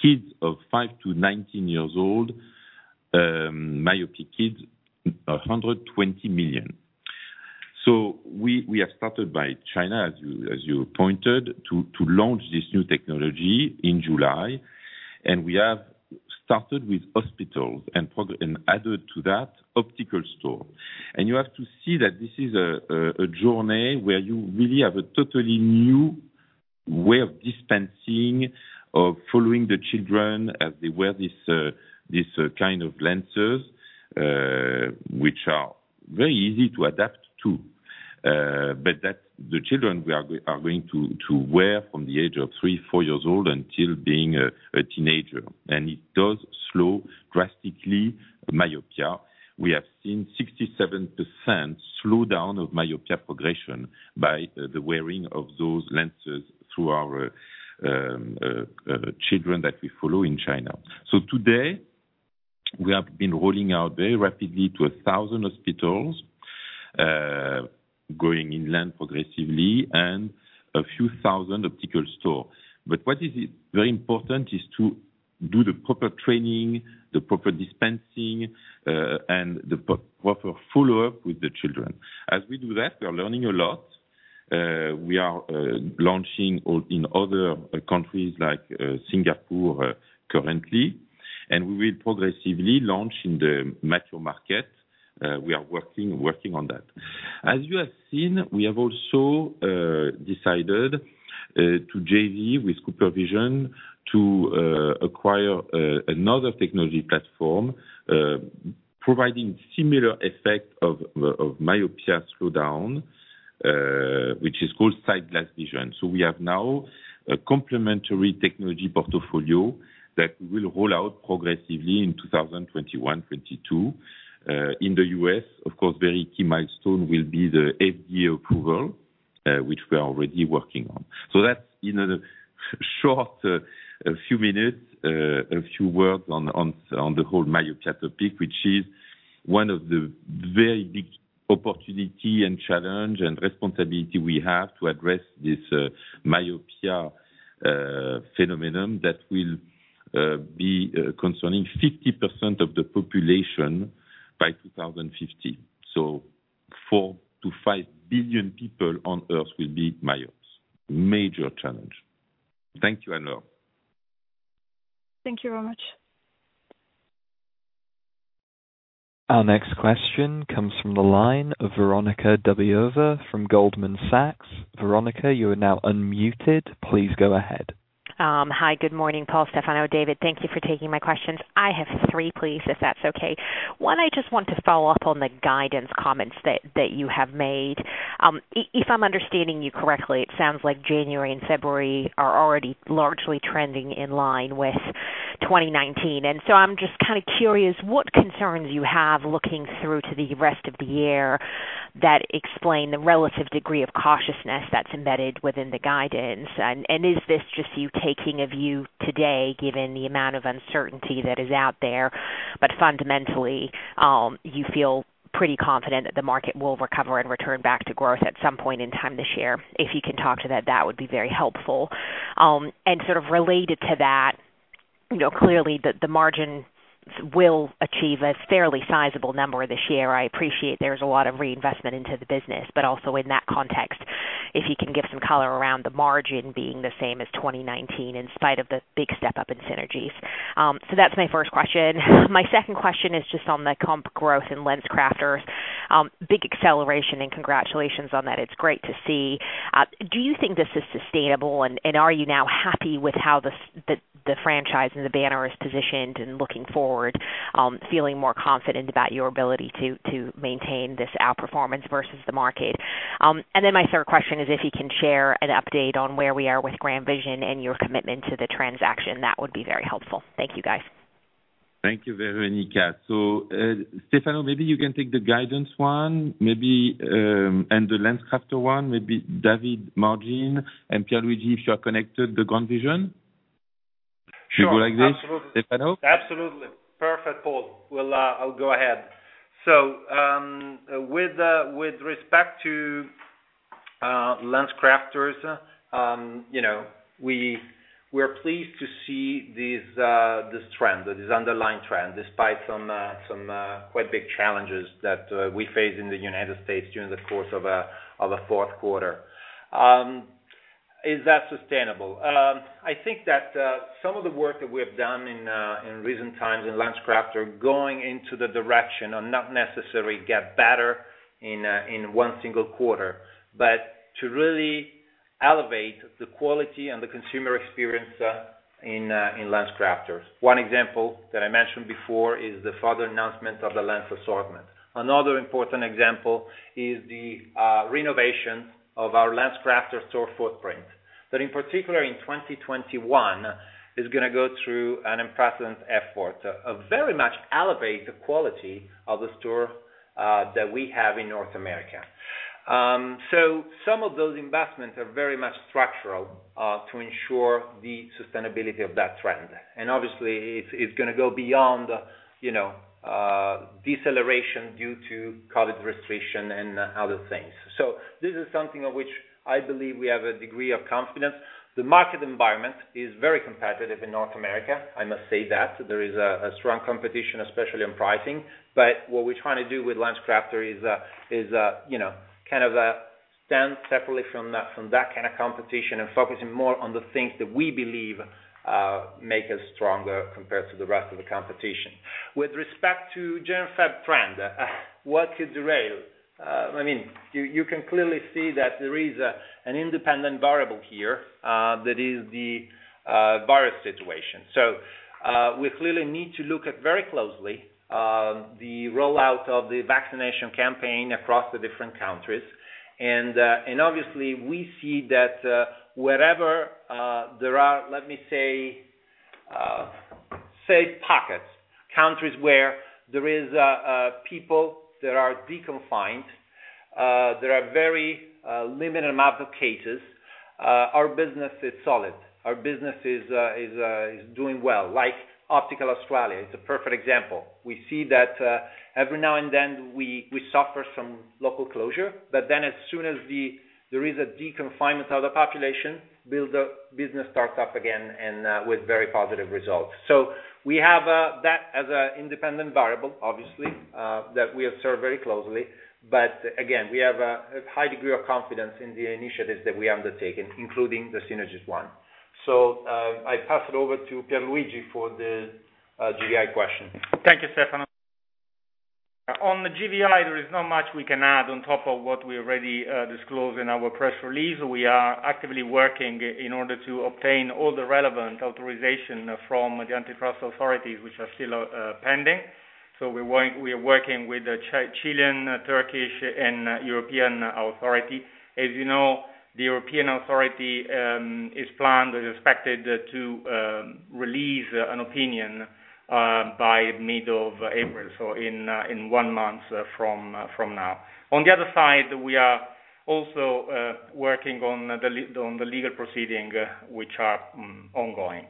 kids of 5-19 years old, myopic kids, 120 million. We have started by China, as you pointed, to launch this new technology in July, and we have started with hospitals and added to that optical store. You have to see that this is a journey where you really have a totally new way of dispensing, of following the children as they wear this kind of lenses, which are very easy to adapt to. The children are going to wear from the age of three, four years old until being a teenager. It does slow drastically myopia. We have seen 67% slowdown of myopia progression by the wearing of those lenses through our children that we follow in China. Today, we have been rolling out very rapidly to 1,000 hospitals, going inland progressively and a few thousand optical store. What is very important is to do the proper training, the proper dispensing, and the proper follow-up with the children. As we do that, we are learning a lot. We are launching in other countries like Singapore currently. We will progressively launch in the mature market. We are working on that. As you have seen, we have also decided to JV with CooperVision to acquire another technology platform, providing similar effect of myopia slowdown, which is called SightGlass Vision. We have now a complementary technology portfolio that we will roll out progressively in 2021, 2022. In the U.S., of course, very key milestone will be the FDA approval, which we are already working on. That's in a short few minutes, a few words on the whole myopia topic, which is one of the very big opportunity and challenge and responsibility we have to address this myopia phenomenon that will be concerning 50% of the population by 2050. Four to five billion people on Earth will be myopes. Major challenge. Thank you, Anne-Laure. Thank you very much. Our next question comes from the line of Veronika Dubajova from Goldman Sachs. Veronika, you are now unmuted. Please go ahead. Hi. Good morning, Paul, Stefano, David. Thank you for taking my questions. I have three, please, if that's okay. One, I just want to follow up on the guidance comments that you have made. If I'm understanding you correctly, it sounds like January and February are already largely trending in line with 2019. I'm just kind of curious what concerns you have looking through to the rest of the year that explain the relative degree of cautiousness that's embedded within the guidance. Is this just you taking a view today, given the amount of uncertainty that is out there, but fundamentally, you feel pretty confident that the market will recover and return back to growth at some point in time this year? If you can talk to that would be very helpful. Sort of related to that, clearly, the margins will achieve a fairly sizable number this year. I appreciate there's a lot of reinvestment into the business, but also in that context, if you can give some color around the margin being the same as 2019 in spite of the big step up in synergies. That's my first question. My second question is just on the comp growth in LensCrafters. Big acceleration and congratulations on that. It's great to see. Do you think this is sustainable, and are you now happy with how the franchise and the banner is positioned and looking forward, feeling more confident about your ability to maintain this outperformance versus the market? My third question is if you can share an update on where we are with GrandVision and your commitment to the transaction, that would be very helpful. Thank you, guys. Thank you, Veronika. Stefano, maybe you can take the guidance one, and the LensCrafters one, maybe David, margin, and Piergiorgio, if you are connected, the GrandVision. Sure. Should we go like this, Stefano? Absolutely. Perfect, Paul. I'll go ahead. With respect to LensCrafters, we're pleased to see this underlying trend, despite some quite big challenges that we face in the U.S. during the course of the fourth quarter. Is that sustainable? I think that some of the work that we have done in recent times in LensCrafters are going into the direction of not necessarily get better in one single quarter, but to really elevate the quality and the consumer experience in LensCrafters. One example that I mentioned before is the further ehancement of the lens assortment. Another important example is the renovation of our LensCrafters store footprint. That in particular in 2021, is going to go through an unprecedented effort to very much elevate the quality of the store that we have in North America. Some of those investments are very much structural to ensure the sustainability of that trend. Obviously it's going to go beyond deceleration due to COVID restriction and other things. This is something of which I believe we have a degree of confidence. The market environment is very competitive in North America, I must say that. There is a strong competition, especially in pricing. What we're trying to do with LensCrafters is kind of stand separately from that kind of competition and focusing more on the things that we believe make us stronger compared to the rest of the competition. With respect to general Feb trend, what could derail? You can clearly see that there is an independent variable here, that is the virus situation. We clearly need to look at very closely, the rollout of the vaccination campaign across the different countries. Obviously we see that wherever there are, let me say, safe pockets, countries where there is people that are deconfined, there are very limited amount of cases, our business is solid. Our business is doing well, like Optical Australia, it's a perfect example. We see that every now and then we suffer some local closure, as soon as there is a deconfinement of the population, business starts up again and with very positive results. We have that as an independent variable, obviously, that we observe very closely. Again, we have a high degree of confidence in the initiatives that we have undertaken, including the synergies one. I pass it over to Piergiorgio for the GVI question. Thank you, Stefano. On the GrandVision, there is not much we can add on top of what we already disclosed in our press release. We are actively working in order to obtain all the relevant authorization from the antitrust authorities, which are still pending. We are working with the Chilean, Turkish, and European authority. As you know, the European authority is planned, is expected to release an opinion by middle of April. In one month from now. On the other side, we are also working on the legal proceeding which are ongoing.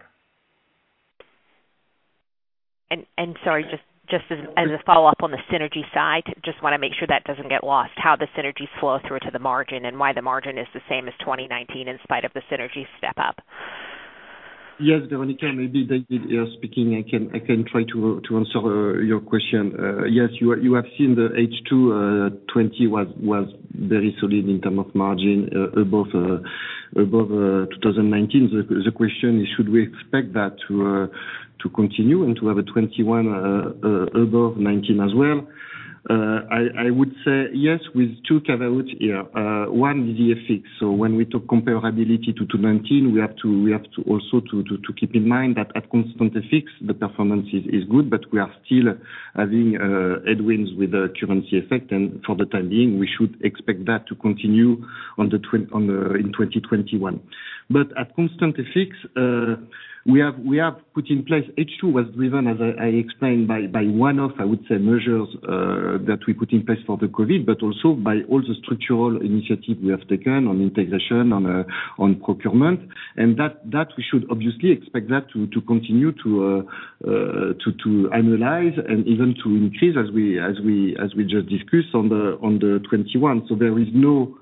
Sorry, just as a follow-up on the synergy side, just want to make sure that doesn't get lost, how the synergies flow through to the margin and why the margin is the same as 2019 in spite of the synergy step up? Yes, Veronika, maybe David here speaking. I can try to answer your question. Yes, you have seen the H2 2020 was very solid in term of margin above 2019. The question is, should we expect that to continue and to have a 2021 above 2019 as well? I would say yes with two caveats here. One, the FX. When we talk comparability to 2019, we have to also to keep in mind that at constant FX, the performance is good, but we are still having headwinds with the currency effect. For the time being, we should expect that to continue in 2021. At constant FX, we have put in place, H2 was driven, as I explained, by one of, I would say, measures that we put in place for the COVID, but also by all the structural initiatives we have taken on integration, on procurement, and that we should obviously expect that to continue to annualize and even to increase as we just discussed on the 2021. There is no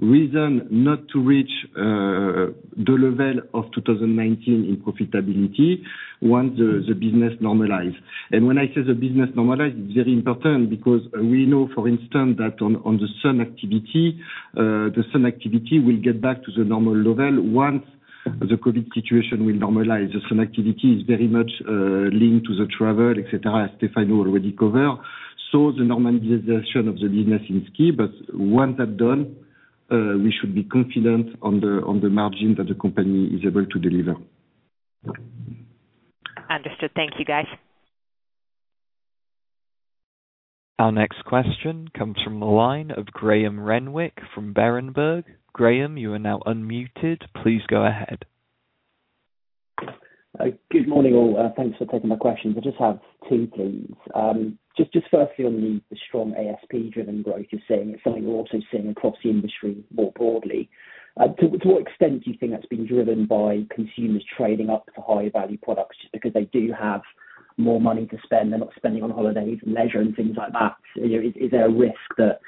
reason not to reach the level of 2019 in profitability once the business normalize. When I say the business normalize, it's very important because we know, for instance, that on the sun activity, the sun activity will get back to the normal level once the COVID situation will normalize. The sun activity is very much linked to the travel, et cetera, as Stefano already cover. The normalization of the business is key, but once that done, we should be confident on the margin that the company is able to deliver. Understood. Thank you, guys. Our next question comes from the line of Graham Renwick from Berenberg. Graham, you are now unmuted. Please go ahead. Good morning, all. Thanks for taking my questions. I just have two, please. Just firstly on the strong ASP driven growth you're seeing, it's something we're also seeing across the industry more broadly. To what extent do you think that's been driven by consumers trading up for higher value products just because they do have More money to spend, they're not spending on holidays and leisure and things like that. Is there a risk that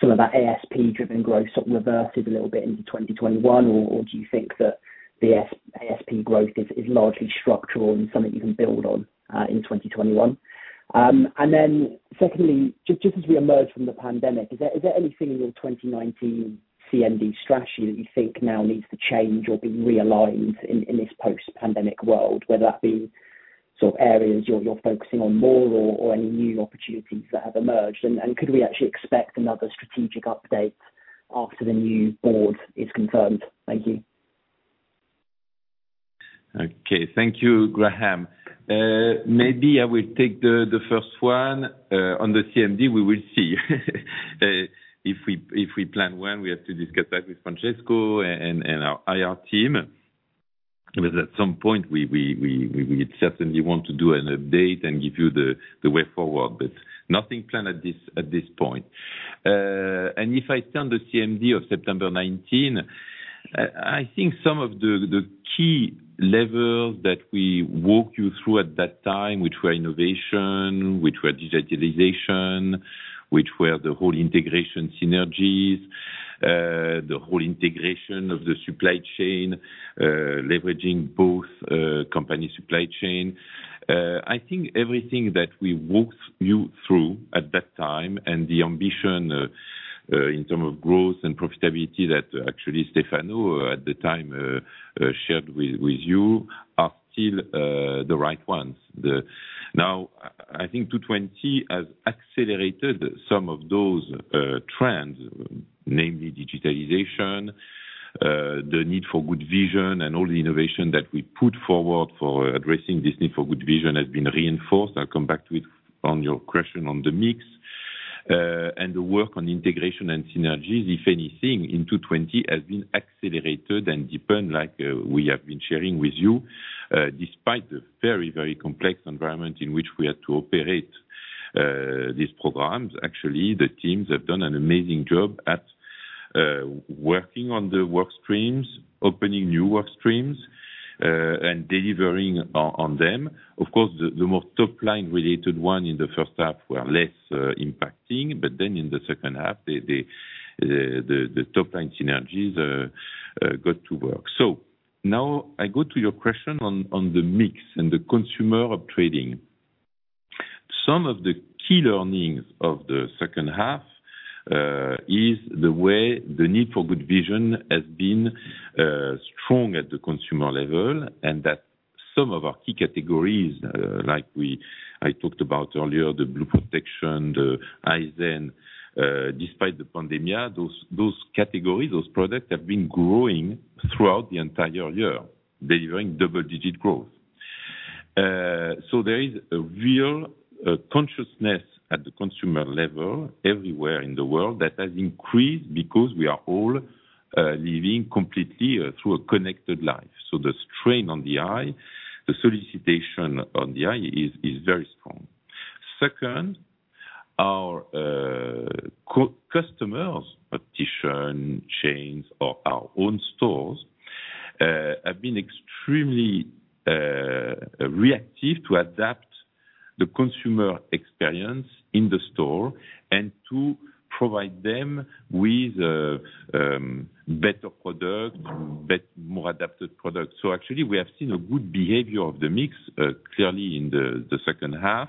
some of that ASP-driven growth sort of reverses a little bit into 2021, or do you think that the ASP growth is largely structural and something you can build on in 2021? Secondly, just as we emerge from the pandemic, is there anything in your 2019 CMD strategy that you think now needs to change or be realigned in this post-pandemic world, whether that be sort of areas you're focusing on more or any new opportunities that have emerged? Could we actually expect another strategic update after the new board is confirmed? Thank you. Okay. Thank you, Graham. Maybe I will take the first one. On the CMD, we will see. If we plan when, we have to discuss that with Francesco and our IR team. At some point we certainly want to do an update and give you the way forward, but nothing planned at this point. If I turn the CMD of September 2019, I think some of the key levels that we walked you through at that time, which were innovation, which were digitalization, which were the whole integration synergies, the whole integration of the supply chain, leveraging both company supply chain. I think everything that we walked you through at that time and the ambition in term of growth and profitability that actually Stefano at the time shared with you are still the right ones. I think 2020 has accelerated some of those trends, namely digitalization, the need for good vision, and all the innovation that we put forward for addressing this need for good vision has been reinforced. I'll come back to it on your question on the mix. The work on integration and synergies, if anything, in 2020 has been accelerated and deepened like we have been sharing with you. Despite the very, very complex environment in which we had to operate these programs, actually, the teams have done an amazing job at working on the work streams, opening new work streams, and delivering on them. Of course, the more top-line related one in the first half were less impacting, but then in the second half, the top-line synergies got to work. Now I go to your question on the mix and the consumer of trading. Some of the key learnings of the second half is the way the need for good vision has been strong at the consumer level, and that some of our key categories, like I talked about earlier, the BlueProtect, the Eyezen, despite the pandemic, those categories, those products have been growing throughout the entire year, delivering double-digit growth. There is a real consciousness at the consumer level everywhere in the world that has increased because we are all living completely through a connected life. The strain on the eye, the solicitation on the eye is very strong. Our customers, optician chains or our own stores, have been extremely reactive to adapt the consumer experience in the store and to provide them with better product, more adapted product. Actually, we have seen a good behavior of the mix, clearly in the second half,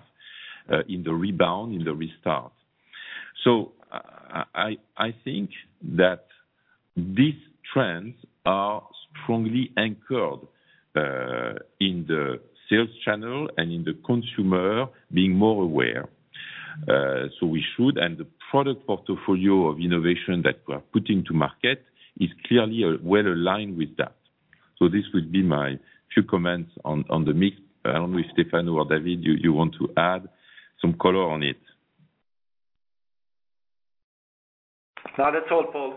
in the rebound, in the restart. I think that these trends are strongly anchored in the sales channel and in the consumer being more aware. We should, and the product portfolio of innovation that we're putting to market is clearly well-aligned with that. This would be my few comments on the mix. I don't know if Stefano or David you want to add some color on it? No, that's all, Paul.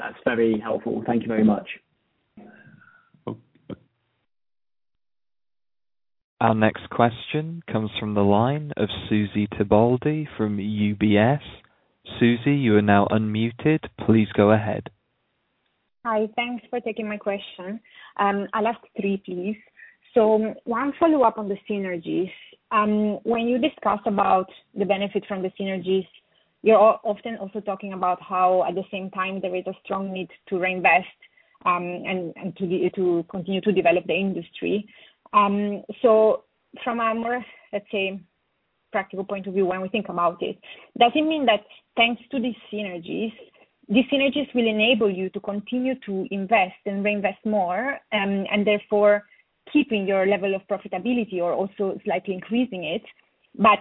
That is very helpful. Thank you very much. Our next question comes from the line of Susy Tibaldi from UBS. Susy, you are now unmuted. Please go ahead. Hi. Thanks for taking my question. I'll ask three, please. One follow-up on the synergies. When you discuss about the benefit from the synergies, you're often also talking about how, at the same time, there is a strong need to reinvest and to continue to develop the industry. From a more, let's say, practical point of view when we think about it, does it mean that thanks to these synergies, these synergies will enable you to continue to invest and reinvest more, and therefore keeping your level of profitability or also slightly increasing it?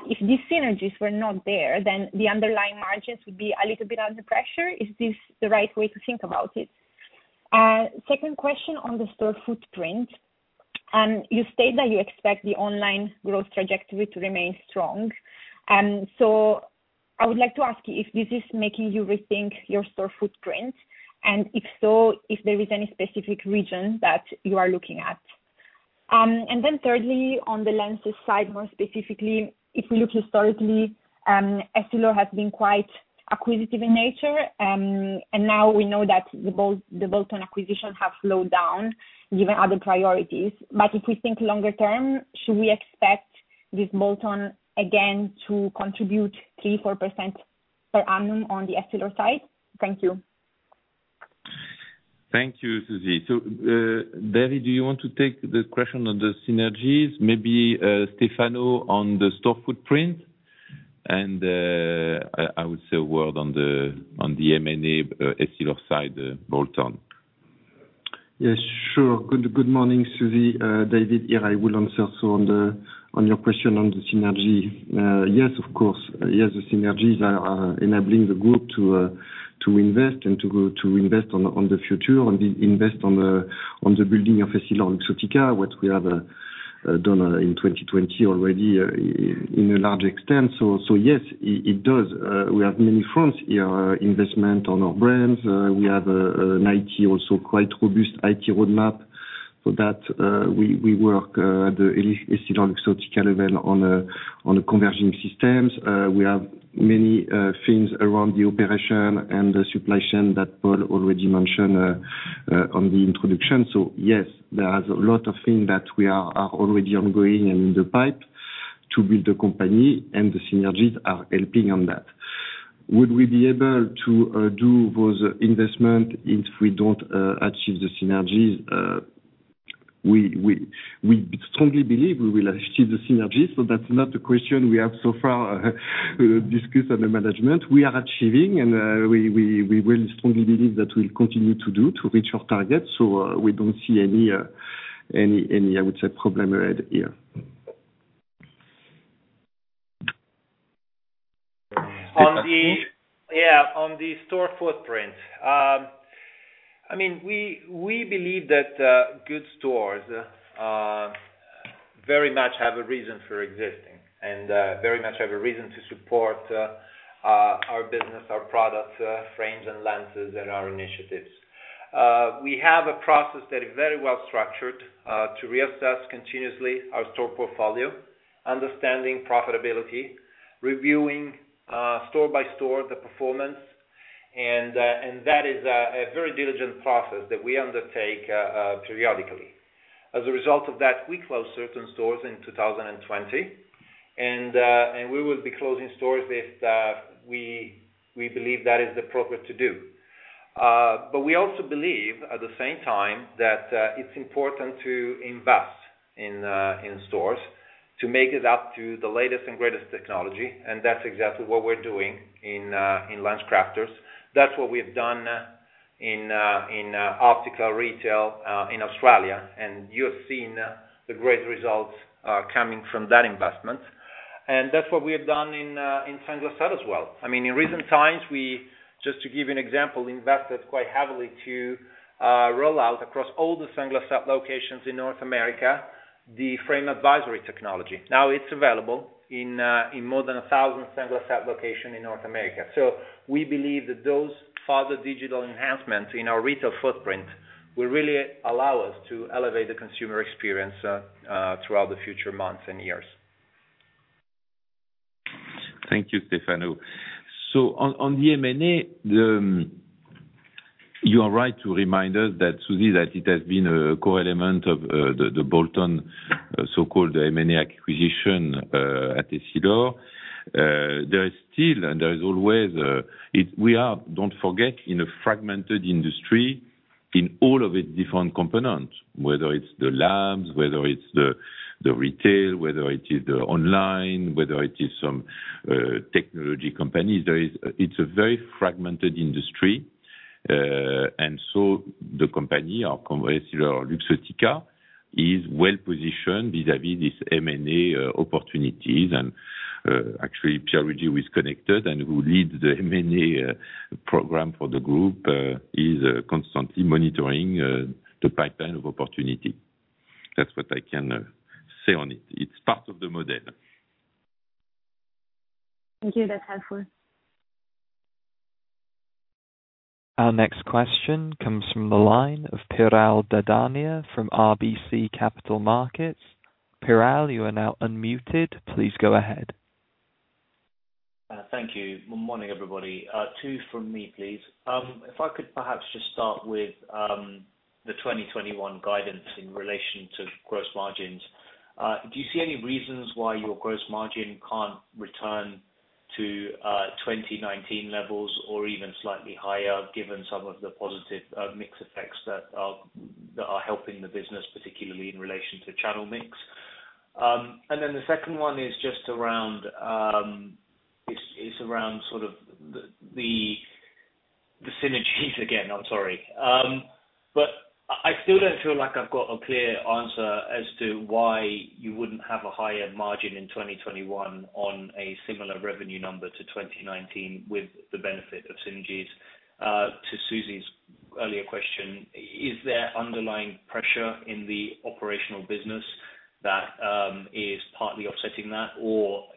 If these synergies were not there, then the underlying margins would be a little bit under pressure. Is this the right way to think about it? Second question on the store footprint. You state that you expect the online growth trajectory to remain strong. I would like to ask you if this is making you rethink your store footprint, and if so, if there is any specific region that you are looking at. Thirdly, on the lenses side more specifically, if we look historically, Essilor has been quite acquisitive in nature. Now we know that the bolt-on acquisition have slowed down given other priorities. If we think longer term, should we expect this bolt-on again to contribute 3-4% per annum on the Essilor side? Thank you. Thank you, Susy. David, do you want to take the question on the synergies, maybe Stefano on the store footprint, and I would say a word on the M&A Essilor side, bolt-on. Yes, sure. Good morning, Susy, David here. I will answer also on your question on the synergy. Yes, of course, the synergies are enabling the group to invest and to invest on the future and invest on the building of EssilorLuxottica, what we have done in 2020 already in a large extent. Yes, it does. We have many fronts here, investment on our brands. We have an IT also, quite robust IT roadmap, so that we work at EssilorLuxottica even on the converging systems. We have many things around the operation and the supply chain that Paul already mentioned on the introduction. Yes, there is a lot of things that we are already ongoing and in the pipe to build the company, and the synergies are helping on that. Would we be able to do those investment if we don't achieve the synergies? We strongly believe we will achieve the synergies, so that's not a question we have so far discussed on the management. We are achieving, and we will strongly believe that we'll continue to do to reach our targets. We don't see any, I would say, problem ahead here. Stefano? On the store footprint. We believe that good stores very much have a reason for existing and very much have a reason to support our business, our product, frames and lenses and our initiatives. We have a process that is very well structured, to reassess continuously our store portfolio, understanding profitability, reviewing store by store the performance. That is a very diligent process that we undertake periodically. As a result of that, we closed certain stores in 2020. We will be closing stores if we believe that is appropriate to do. We also believe at the same time that it's important to invest in stores to make it up to the latest and greatest technology. That's exactly what we're doing in LensCrafters. That's what we have done in optical retail in Australia. You have seen the great results coming from that investment. That's what we have done in Sunglass Hut as well. In recent times, we, just to give you an example, invested quite heavily to roll out across all the Sunglass Hut locations in North America, the frame advisory technology. Now it's available in more than 1,000 Sunglass Hut location in North America. We believe that those further digital enhancements in our retail footprint will really allow us to elevate the consumer experience throughout the future months and years. Thank you, Stefano. On the M&A, you are right to remind us, Susy, that it has been a core element of the bolt-on so-called M&A acquisition at Essilor. There is still and there is always, we are, don't forget, in a fragmented industry in all of its different components, whether it's the labs, whether it's the retail, whether it is the online, whether it is some technology companies. It's a very fragmented industry. The company, EssilorLuxottica, is well positioned vis-à-vis this M&A opportunities. Actually, Pierre Regis is connected and who leads the M&A program for the group, is constantly monitoring the pipeline of opportunity. That's what I can say on it. It's part of the model. Thank you. That's helpful. Our next question comes from the line of Piral Dadhania from RBC Capital Markets. Piral, you are now unmuted. Please go ahead. Thank you. Morning, everybody. Two from me, please. If I could perhaps just start with the 2021 guidance in relation to gross margins. Do you see any reasons why your gross margin can't return to 2019 levels or even slightly higher, given some of the positive mix effects that are helping the business, particularly in relation to channel mix? The second one is around the synergies again, I'm sorry. I still don't feel like I've got a clear answer as to why you wouldn't have a higher margin in 2021 on a similar revenue number to 2019 with the benefit of synergies. To Susy's earlier question, is there underlying pressure in the operational business that partly offsetting that?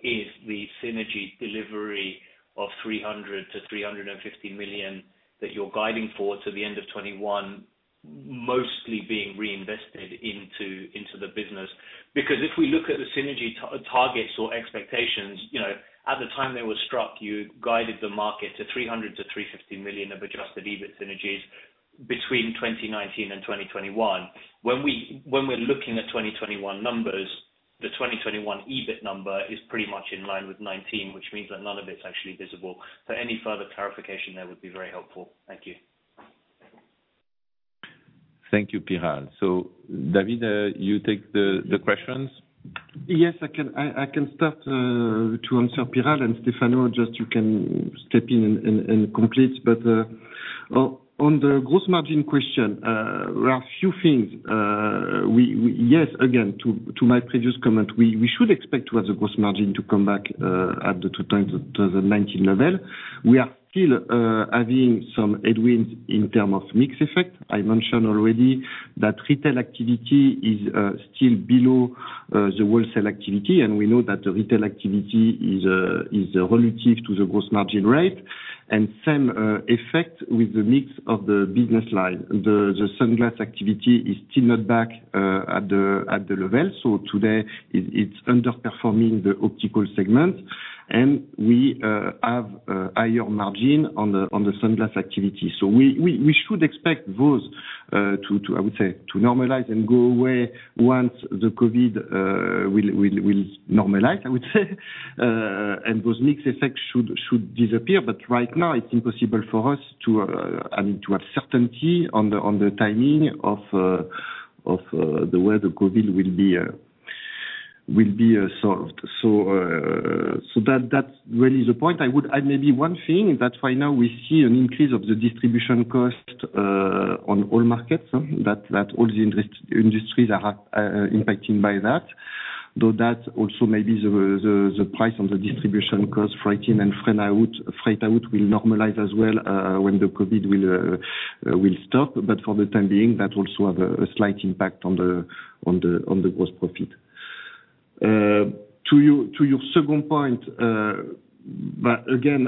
Is the synergy delivery of 300 million-350 million that you're guiding for to the end of 2021 mostly being reinvested into the business? If we look at the synergy targets or expectations, at the time they were struck, you guided the market to 300 million-350 million of adjusted EBIT synergies between 2019 and 2021. When we're looking at 2021 numbers, the 2021 EBIT number is pretty much in line with 2019, which means that none of it's actually visible. Any further clarification there would be very helpful. Thank you. Thank you, Piral. David, you take the questions? Yes, I can start to answer, Piral, and Stefano, you can step in and complete. On the gross margin question, there are a few things. Yes, again, to my previous comment, we should expect the gross margin to come back at the 2019 level. We are still having some headwinds in terms of mix effect. I mentioned already that retail activity is still below the wholesale activity, and we know that the retail activity is relative to the gross margin rate, and same effect with the mix of the business line. The sunglass activity is still not back at the level. Today, it's underperforming the optical segment, and we have a higher margin on the sunglass activity. We should expect those to normalize and go away once the COVID will normalize, I would say, and those mix effects should disappear, but right now it is impossible for us to have certainty on the timing of the way the COVID will be solved. That's really the point. Maybe one thing, that right now we see an increase of the distribution cost on all markets, that all the industries are impacted by that. That also may be the price on the distribution cost freight in and freight out will normalize as well when the COVID will stop, but for the time being, that also have a slight impact on the gross profit. To your second point, again,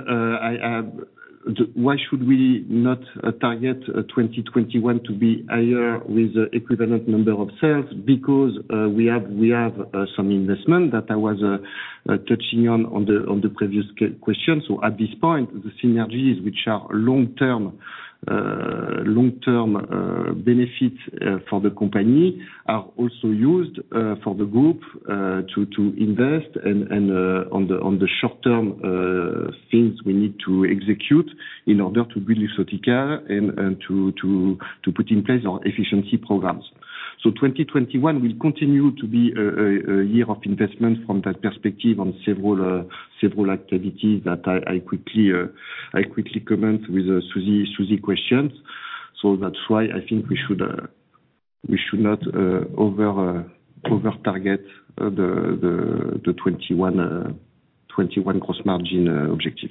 why should we not target 2021 to be higher with equivalent number of sales? We have some investment that I was touching on the previous question. At this point, the synergies, which are long-term benefits for the company, are also used for the group to invest and on the short-term things we need to execute in order to build Luxottica and to put in place our efficiency programs. 2021 will continue to be a year of investment from that perspective on several activities that I quickly comment with Susy questions. That's why I think we should not over-target the 2021 gross margin objective.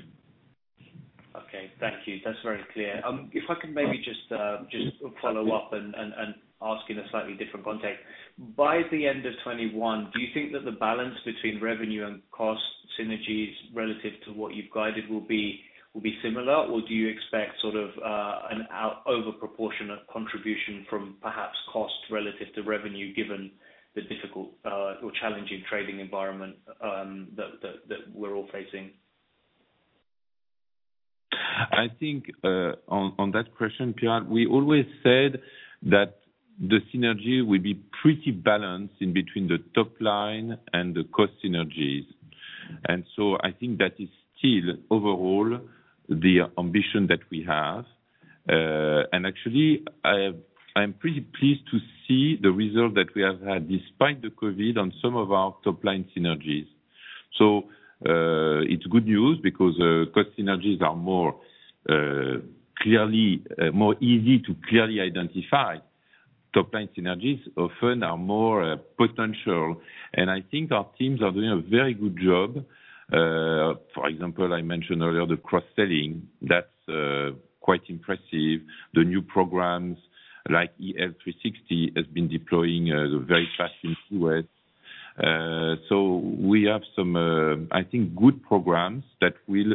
Okay. Thank you. That's very clear. If I could maybe just follow up and ask in a slightly different context. By the end of 2021, do you think that the balance between revenue and cost synergies relative to what you've guided will be similar, or do you expect sort of an overproportionate contribution from perhaps cost relative to revenue, given the difficult or challenging trading environment that we're all facing? I think on that question, Piral, we always said that the synergy will be pretty balanced in between the top-line and the cost synergies. I think that is still overall the ambition that we have. Actually, I'm pretty pleased to see the result that we have had despite the COVID on some of our top-line synergies. It's good news because cost synergies are more easy to clearly identify. Top-line synergies often are more potential, and I think our teams are doing a very good job. For example, I mentioned earlier the cross-selling. That's quite impressive. The new programs like EL360 has been deploying at a very fast pace. We have some, I think, good programs that will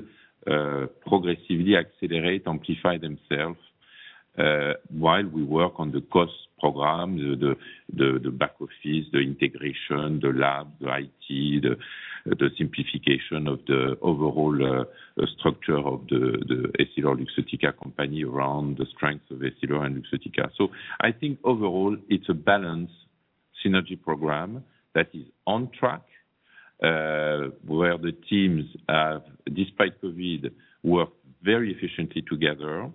progressively accelerate, amplify themselves while we work on the cost program, the back office, the integration, the lab, the IT, the simplification of the overall structure of the EssilorLuxottica company around the strength of Essilor and Luxottica. I think overall, it's a balanced synergy program that is on track, where the teams have, despite COVID, worked very efficiently together.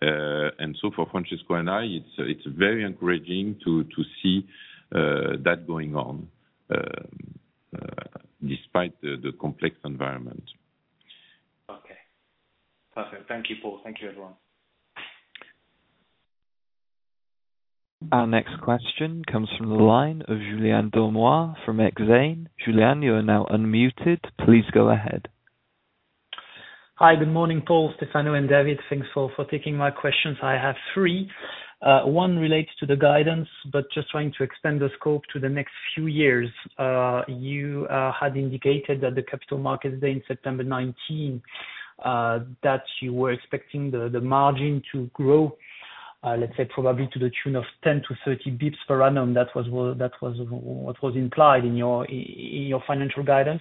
For Francesco and I, it's very encouraging to see that going on despite the complex environment. Okay. Perfect. Thank you, Paul. Thank you, everyone. Our next question comes from the line of Julien Dormois from Exane. Julien, you are now unmuted. Please go ahead. Hi, good morning, Paul, Stefano, and David. Thanks for taking my questions. I have three. One relates to the guidance, just trying to extend the scope to the next few years. You had indicated that the Capital Market Day in September 2019, that you were expecting the margin to grow, let's say, probably to the tune of 10-30 basis points per annum. That was what was implied in your financial guidance.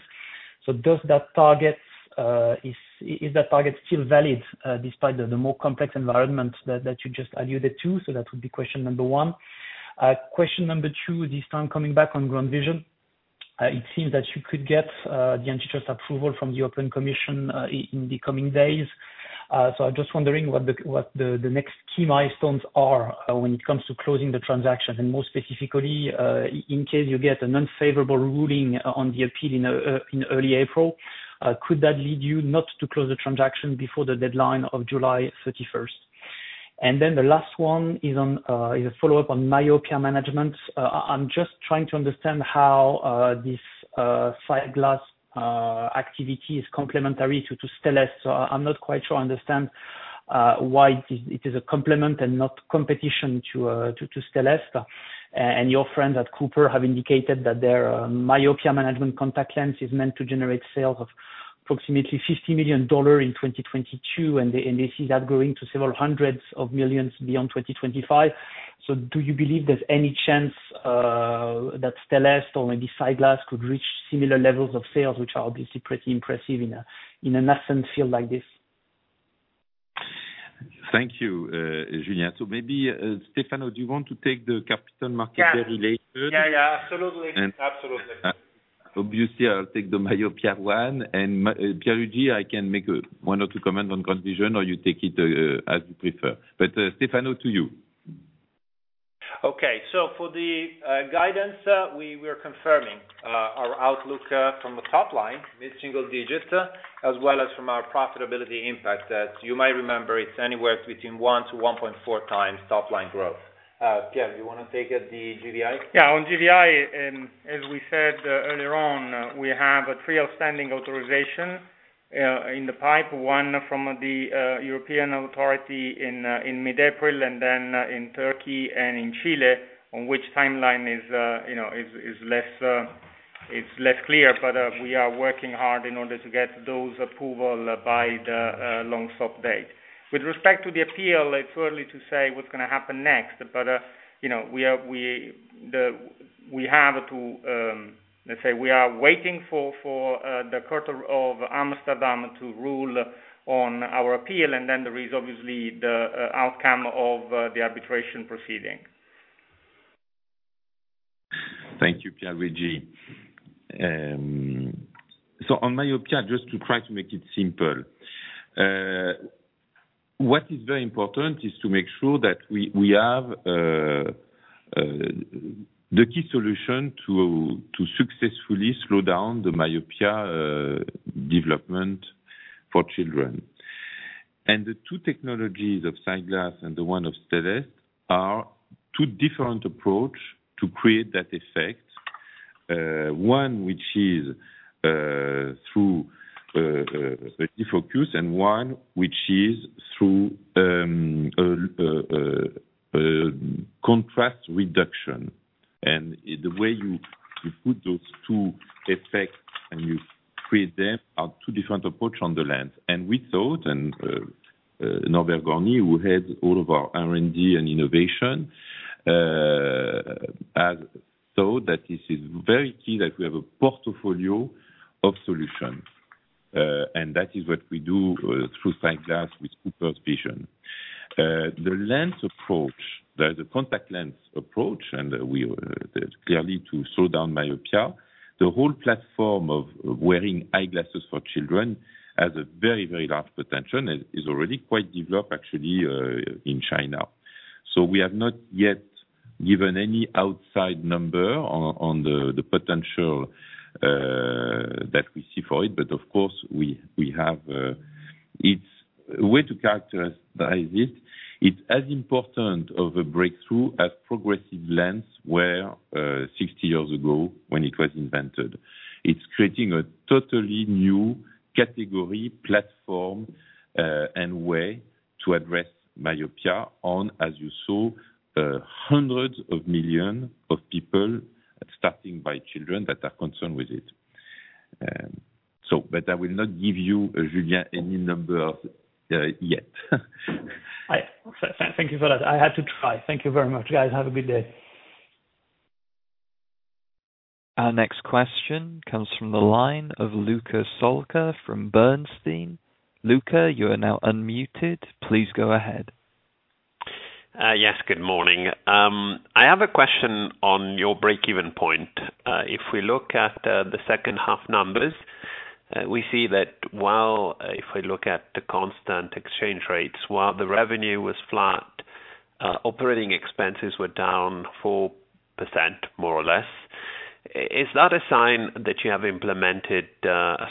Is that target still valid, despite the more complex environment that you just alluded to? That would be question number one. Question number two, this time coming back on GrandVision. It seems that you could get the antitrust approval from the European Commission in the coming days. I'm just wondering what the next key milestones are when it comes to closing the transaction. More specifically, in case you get an unfavorable ruling on the appeal in early April, could that lead you not to close the transaction before the deadline of July 31st? The last one is a follow-up on myopia management. I'm just trying to understand how this SightGlass activity is complementary to Stellest. I'm not quite sure I understand why it is a complement and not competition to Stellest. Your friends at Cooper have indicated that their myopia management contact lens is meant to generate sales of approximately $50 million in 2022, and they see that growing to several hundreds of millions beyond 2025. Do you believe there's any chance that Stellest or maybe SightGlass could reach similar levels of sales, which are obviously pretty impressive in a nascent field like this? Thank you, Julien. Maybe, Stefano, do you want to take the Capital Market Day related? Yeah. Absolutely. Obviously, I'll take the myopia one, and Piergiorgio, I can make one or two comments on condition, or you take it as you prefer. Stefano, to you. Okay. For the guidance, we are confirming our outlook from the top line, mid-single digits, as well as from our profitability impact that you might remember, it's anywhere between one to 1.4 times top line growth. Piergiorgio, do you want to take the GVI? On GVI, as we said earlier on, we have three outstanding authorizations in the pipe, one from the European Commission in mid-April, and then in Turkey and in Chile, on which timeline is less clear, but we are working hard in order to get those approval by the long-stop date. With respect to the appeal, it's early to say what's going to happen next, but let's say we are waiting for the Amsterdam District Court to rule on our appeal, and then there is obviously the outcome of the arbitration proceeding. Thank you, Piergiorgio. On myopia, just to try to make it simple. What is very important is to make sure that we have the key solution to successfully slow down the myopia development for children. The two technologies of SightGlass and the one of Stellest are two different approach to create that effect, one which is through defocus, and one which is through contrast reduction. The way you put those two effects, and you create them are two different approach on the lens. We thought, and Norbert Gorny, who heads all of our R&D and innovation, thought that this is very key that we have a portfolio of solutions. That is what we do through SightGlass with CooperVision. The contact lens approach, we are clearly to slow down myopia, the whole platform of wearing eyeglasses for children has a very large potential and is already quite developed, actually, in China. We have not yet given any outside number on the potential that we see for it. Of course, a way to characterize it's as important of a breakthrough as progressive lens were 60 years ago when it was invented. It's creating a totally new category, platform, and way to address myopia on, as you saw, hundreds of millions of people, starting by children that are concerned with it. I will not give you, Julien, any number yet. Thank you for that. I had to try. Thank you very much, guys. Have a good day. Our next question comes from the line of Luca Solca from Bernstein. Luca, you are now unmuted. Please go ahead. Yes, good morning. I have a question on your breakeven point. If we look at the second half numbers, we see that while, if we look at the constant exchange rates, while the revenue was flat, operating expenses were down 4%, more or less. Is that a sign that you have implemented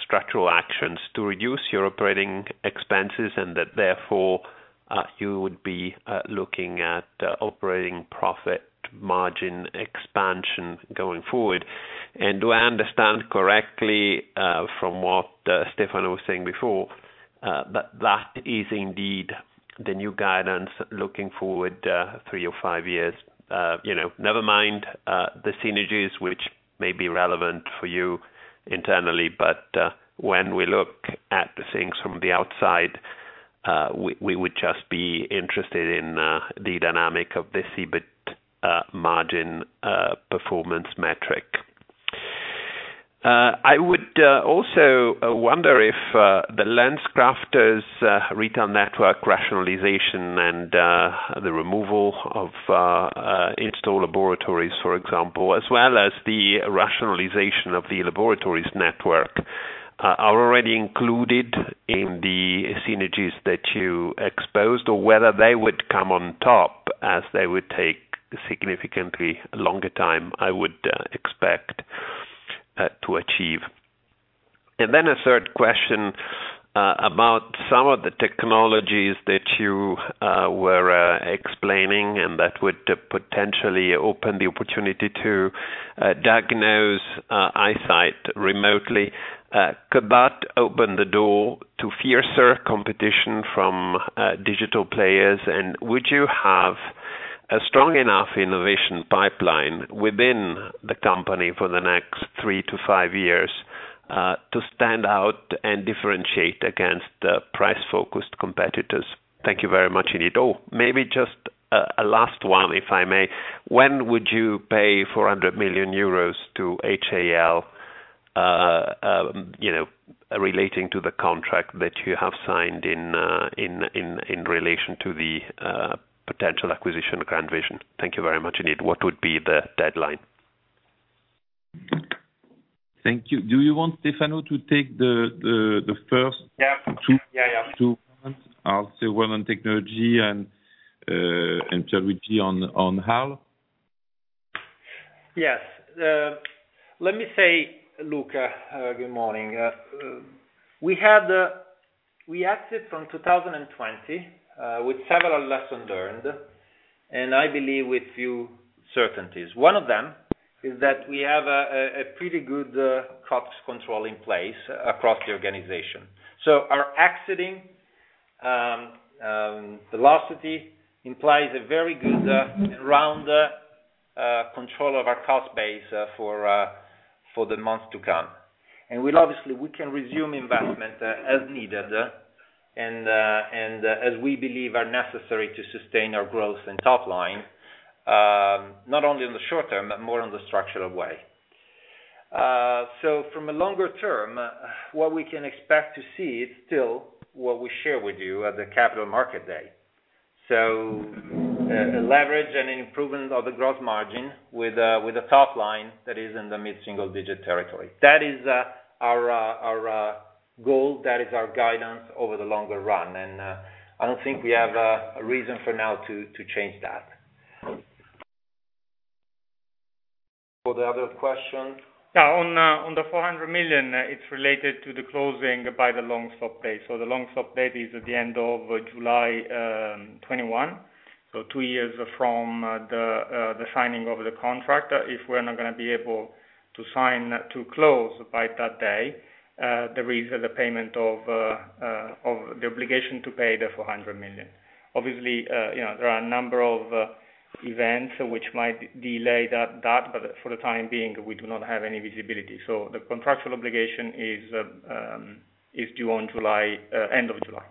structural actions to reduce your operating expenses and that therefore you would be looking at operating profit margin expansion going forward. Do I understand correctly, from what Stefano was saying before, that is indeed the new guidance looking forward three or five years? Never mind the synergies which may be relevant for you internally, but when we look at the things from the outside, we would just be interested in the dynamic of the EBIT margin performance metric. I would also wonder if the LensCrafters retail network rationalization and the removal of in-store laboratories, for example, as well as the rationalization of the laboratories network, are already included in the synergies that you exposed, or whether they would come on top as they would take significantly longer time, I would expect to achieve. A third question about some of the technologies that you were explaining and that would potentially open the opportunity to diagnose eyesight remotely. Could that open the door to fiercer competition from digital players? Would you have a strong enough innovation pipeline within the company for the next three to five years, to stand out and differentiate against price-focused competitors? Thank you very much, Paul du. Maybe just a last one, if I may. When would you pay 400 million euros to HAL relating to the contract that you have signed in relation to the potential acquisition of GrandVision? Thank you very much, indeed. What would be the deadline? Thank you. Do you want Stefano to take the first two points? Yeah. I'll say one on technology and Piergiorgio on HAL. Yes. Let me say, Luca, good morning. We exited from 2020 with several lessons learned, and I believe with few certainties. One of them is that we have a pretty good cost control in place across the organization. Our exiting velocity implies a very good sound control of our cost base for the months to come. Obviously, we can resume investment as needed and as we believe are necessary to sustain our growth and top line, not only in the short term, but more on the structural way. From a longer term, what we can expect to see is still what we share with you at the Capital Market Day. A leverage and improvement of the growth margin with a top line that is in the mid-single digit territory. That is our goal. That is our guidance over the longer run, and I don't think we have a reason for now to change that. For the other question. The 400 million, it's related to the closing by the long stop date. The long stop date is at the end of July 2021, so two years from the signing of the contract. If we're not going to be able to sign to close by that day, there is the obligation to pay the 400 million. Obviously, there are a number of events which might delay that, for the time being, we do not have any visibility. The contractual obligation is due end of July.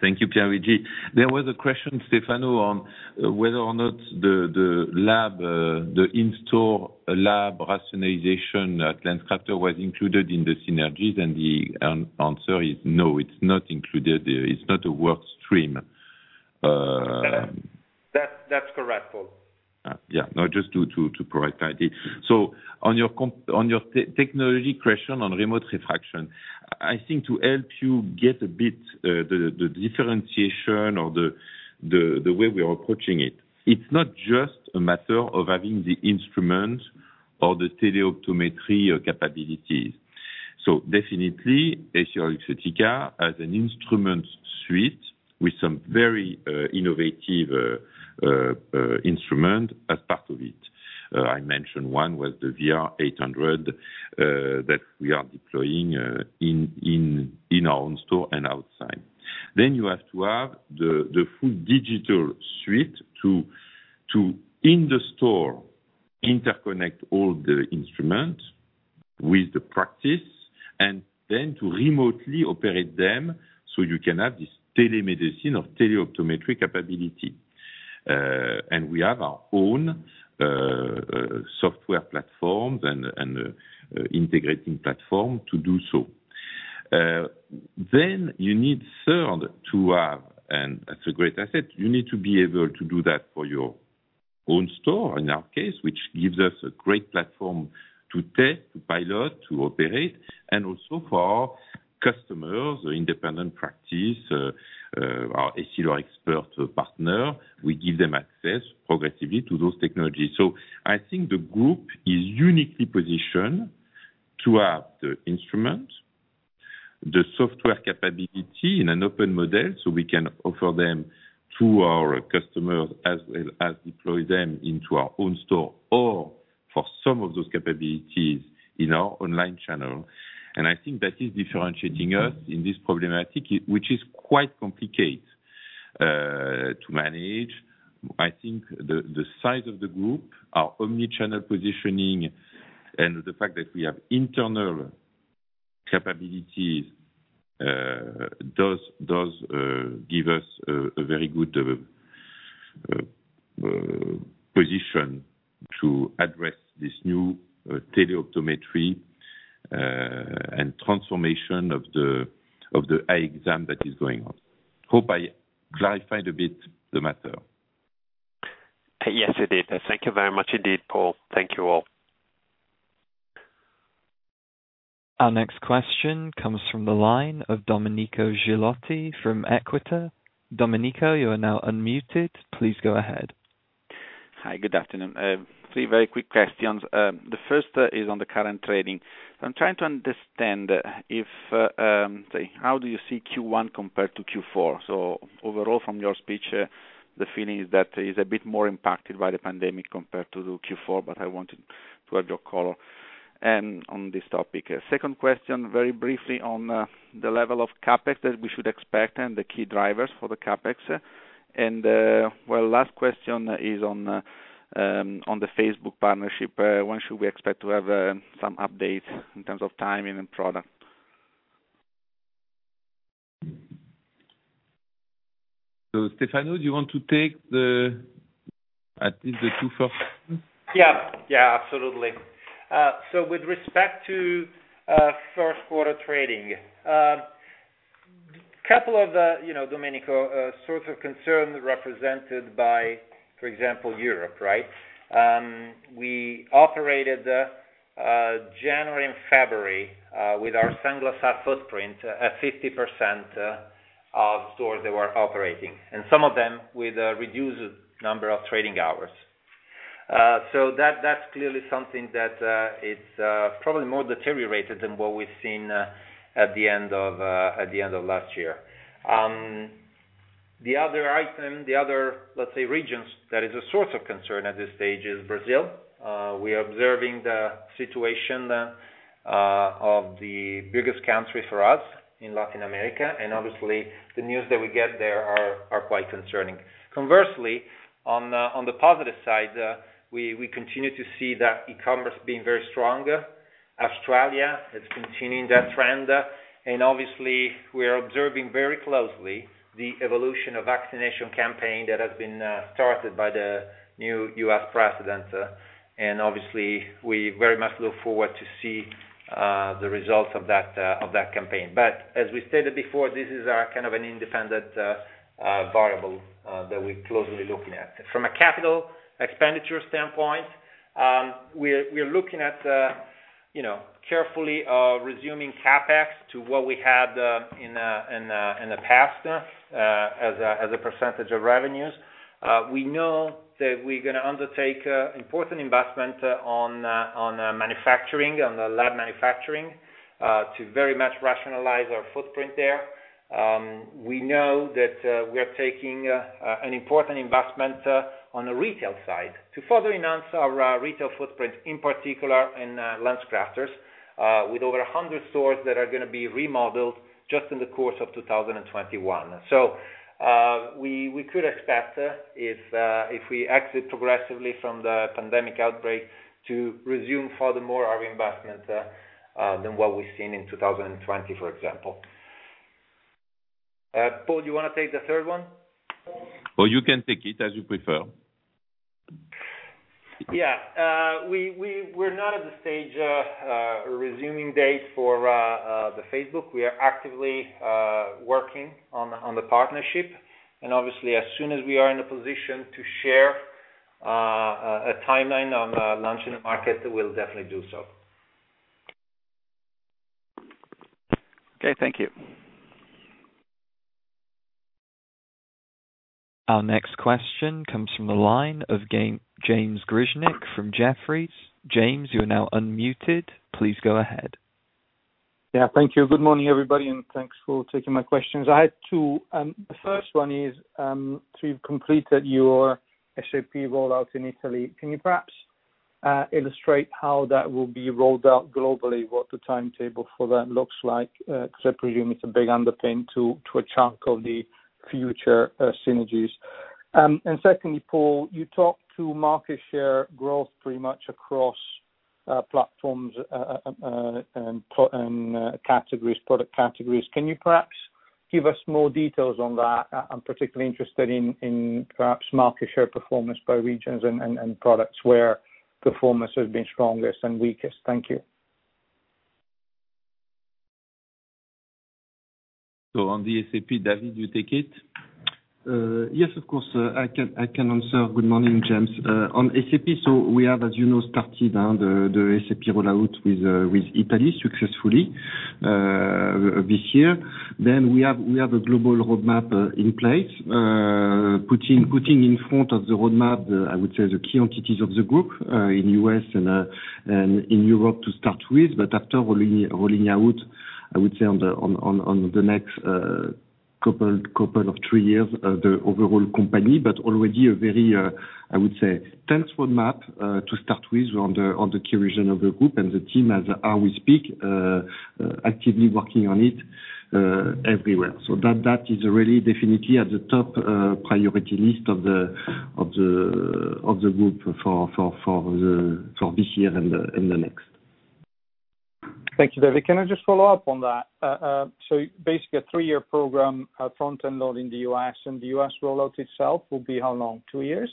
Thank you, Piergiorgio. There was a question, Stefano, on whether or not the in-store lab rationalization at LensCrafters was included in the synergies, and the answer is no, it is not included. It is not a work stream. That's correct, Paul. No, just to provide clarity. On your technology question on remote refraction, I think to help you get a bit the differentiation or the way we are approaching it's not just a matter of having the instrument or the teleoptometry capabilities. Definitely, EssilorLuxottica has an instrument suite with some very innovative instrument as part of it. I mentioned one was the Vision-R 800 that we are deploying in our own store and outside. You have to have the full digital suite to, in the store, interconnect all the instruments with the practice, and then to remotely operate them so you can have this telemedicine or teleoptometry capability. We have our own software platforms and integrating platform to do so. You need third to have, and that's a great asset, you need to be able to do that for your own store, in our case, which gives us a great platform to test, to pilot, to operate, and also for our customers or independent practice, our Essilor Experts partner, we give them access progressively to those technologies. I think the group is uniquely positioned to have the instrument and software capability in an open model, so we can offer them to our customers as well as deploy them into our own store, or for some of those capabilities in our online channel. I think that is differentiating us in this problematic, which is quite complicated to manage. I think the size of the group, our omnichannel positioning, and the fact that we have internal capabilities, does give us a very good position to address this new teleoptometry and transformation of the eye exam that is going on. Hope I clarified a bit the matter. Yes, you did. Thank you very much indeed, Paul. Thank you all. Our next question comes from the line of Domenico Ghilotti from Equita. Domenico, you are now unmuted. Please go ahead. Hi, good afternoon. Three very quick questions. The first is on the current trading. I'm trying to understand how do you see Q1 compared to Q4? Overall, from your speech, the feeling is that it's a bit more impacted by the pandemic compared to Q4. I wanted to have your color on this topic. Second question, very briefly on the level of CapEx that we should expect and the key drivers for the CapEx. Well, last question is on the Facebook partnership. When should we expect to have some updates in terms of timing and product? Stefano, do you want to take at least the two first ones? Yeah. Absolutely. With respect to first quarter trading, Domenico, source of concern represented by, for example, Europe. We operated January and February, with our Sunglass Hut footprint at 50% of stores that were operating. Some of them with a reduced number of trading hours. That's clearly something that it's probably more deteriorated than what we've seen at the end of last year. The other, let's say, regions that is a source of concern at this stage is Brazil. We are observing the situation of the biggest country for us in Latin America, and obviously, the news that we get there are quite concerning. Conversely, on the positive side, we continue to see the e-commerce being very strong. Australia is continuing that trend. Obviously, we are observing very closely the evolution of vaccination campaign that has been started by the new U.S. President. Obviously, we very much look forward to see the results of that campaign. As we stated before, this is our kind of an independent variable that we're closely looking at. From a capital expenditure standpoint, we're looking at carefully resuming CapEx to what we had in the past, as a % of revenues. We know that we're going to undertake important investment on lab manufacturing, to very much rationalize our footprint there. We know that we are taking an important investment on the retail side to further enhance our retail footprint, in particular in LensCrafters, with over 100 stores that are going to be remodeled just in the course of 2021. We could expect if we exit progressively from the pandemic outbreak to resume furthermore our investment than what we've seen in 2020, for example. Paul, you want to take the third one? You can take it, as you prefer. Yeah. We're not at the stage a resuming date for the Facebook. We are actively working on the partnership, and obviously, as soon as we are in a position to share a timeline on launch in the market, we'll definitely do so. Okay. Thank you. Our next question comes from the line of James Grzinic from Jefferies. James, you are now unmuted. Please go ahead. Yeah. Thank you. Good morning, everybody, and thanks for taking my questions. I had two. The first one is, you've completed your SAP rollout in Italy. Can you perhaps illustrate how that will be rolled out globally, what the timetable for that looks like? I presume it's a big undertaking to a chunk of the future synergies. Secondly, Paul, you talked to market share growth pretty much across platforms and product categories. Can you perhaps give us more details on that? I'm particularly interested in perhaps market share performance by regions and products where performance has been strongest and weakest. Thank you. On the SAP, David, you take it? Yes, of course. I can answer. Good morning, James. On SAP, we have, as you know, started the SAP rollout with Italy successfully this year. Then we have a global roadmap in place, putting in front of the roadmap, I would say, the key entities of the group, in U.S. and in Europe to start with, after rolling out, I would say, on the next couple of three years, the overall company. Already a very, I would say, tense roadmap to start with on the key region of the group and the team as we speak, actively working on it everywhere. That is really definitely at the top priority list of the group for this year and the next. Thank you, David. Can I just follow up on that? Basically a three-year program, front-end load in the U.S., and the U.S. rollout itself will be how long, two years?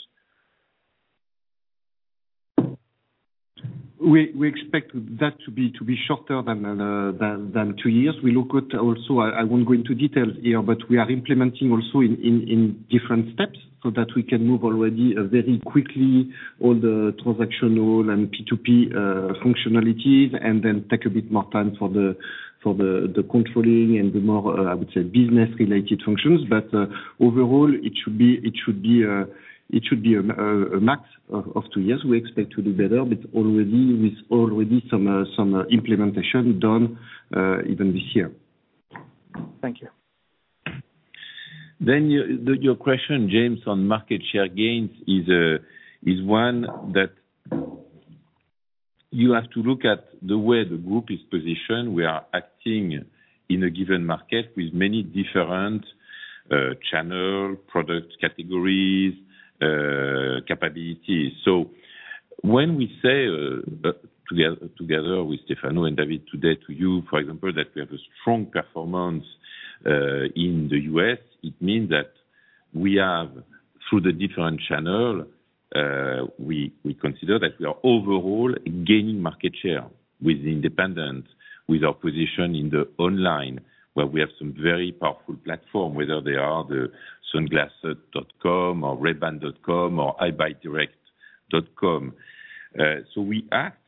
We expect that to be shorter than two years. We look at also, I won't go into details here, but we are implementing also in different steps so that we can move already very quickly all the transactional and P2P functionalities and then take a bit more time for the controlling and the more, I would say, business-related functions. Overall it should be a max of two years. We expect to do better, with already some implementation done, even this year. Thank you. Your question, James, on market share gains is one that you have to look at the way the group is positioned. We are acting in a given market with many different channel product categories, capabilities. When we say, together with Stefano and David today to you, for example, that we have a strong performance in the U.S., it means that we have through the different channel, we consider that we are overall gaining market share with independents, with our position in the online, where we have some very powerful platform, whether they are the sunglasses.com or rayban.com or eyebuydirect.com. We act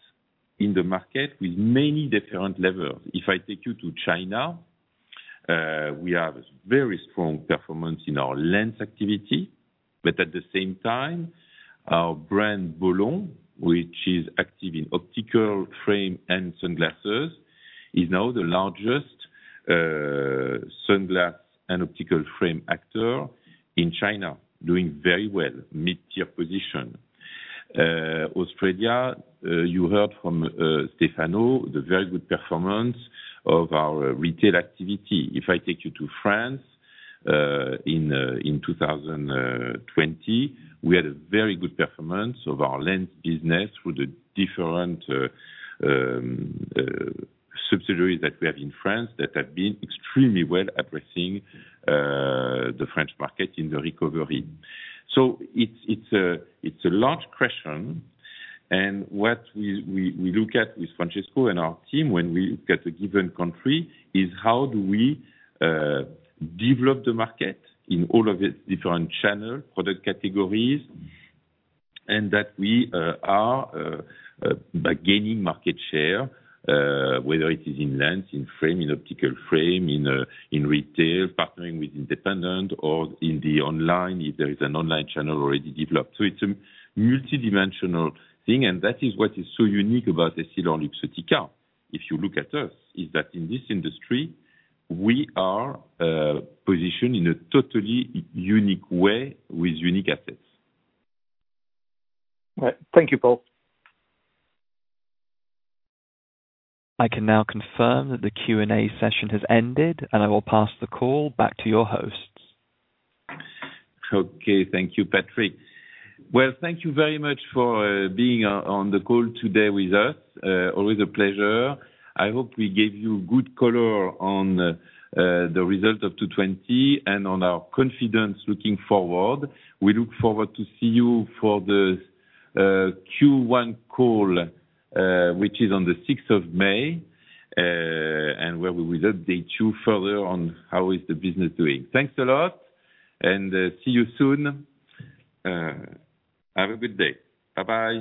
in the market with many different levels. If I take you to China, we have very strong performance in our lens activity, at the same time, our brand, Bolon, which is active in optical frame and sunglasses, is now the largest sunglass and optical frame actor in China, doing very well, mid-tier position. Australia, you heard from Stefano, the very good performance of our retail activity. If I take you to France, in 2020, we had a very good performance of our lens business through the different subsidiaries that we have in France that have been extremely well addressing the French market in the recovery. It's a large question, and what we look at with Francesco and our team when we look at a given country is how do we develop the market in all of its different channel product categories, and that we are gaining market share, whether it is in lens, in frame, in optical frame, in retail, partnering with independent or in the online, if there is an online channel already developed. It's a multidimensional thing, and that is what is so unique about EssilorLuxottica. If you look at us, is that in this industry, we are positioned in a totally unique way with unique assets. Right. Thank you, Paul. I can now confirm that the Q&A session has ended, and I will pass the call back to your hosts. Okay. Thank you, Patrick. Well, thank you very much for being on the call today with us. Always a pleasure. I hope we gave you good color on the result of 2020 and on our confidence looking forward. We look forward to see you for the Q1 call, which is on the 6th of May, and where we will update you further on how is the business doing. Thanks a lot, and see you soon. Have a good day. Bye-bye.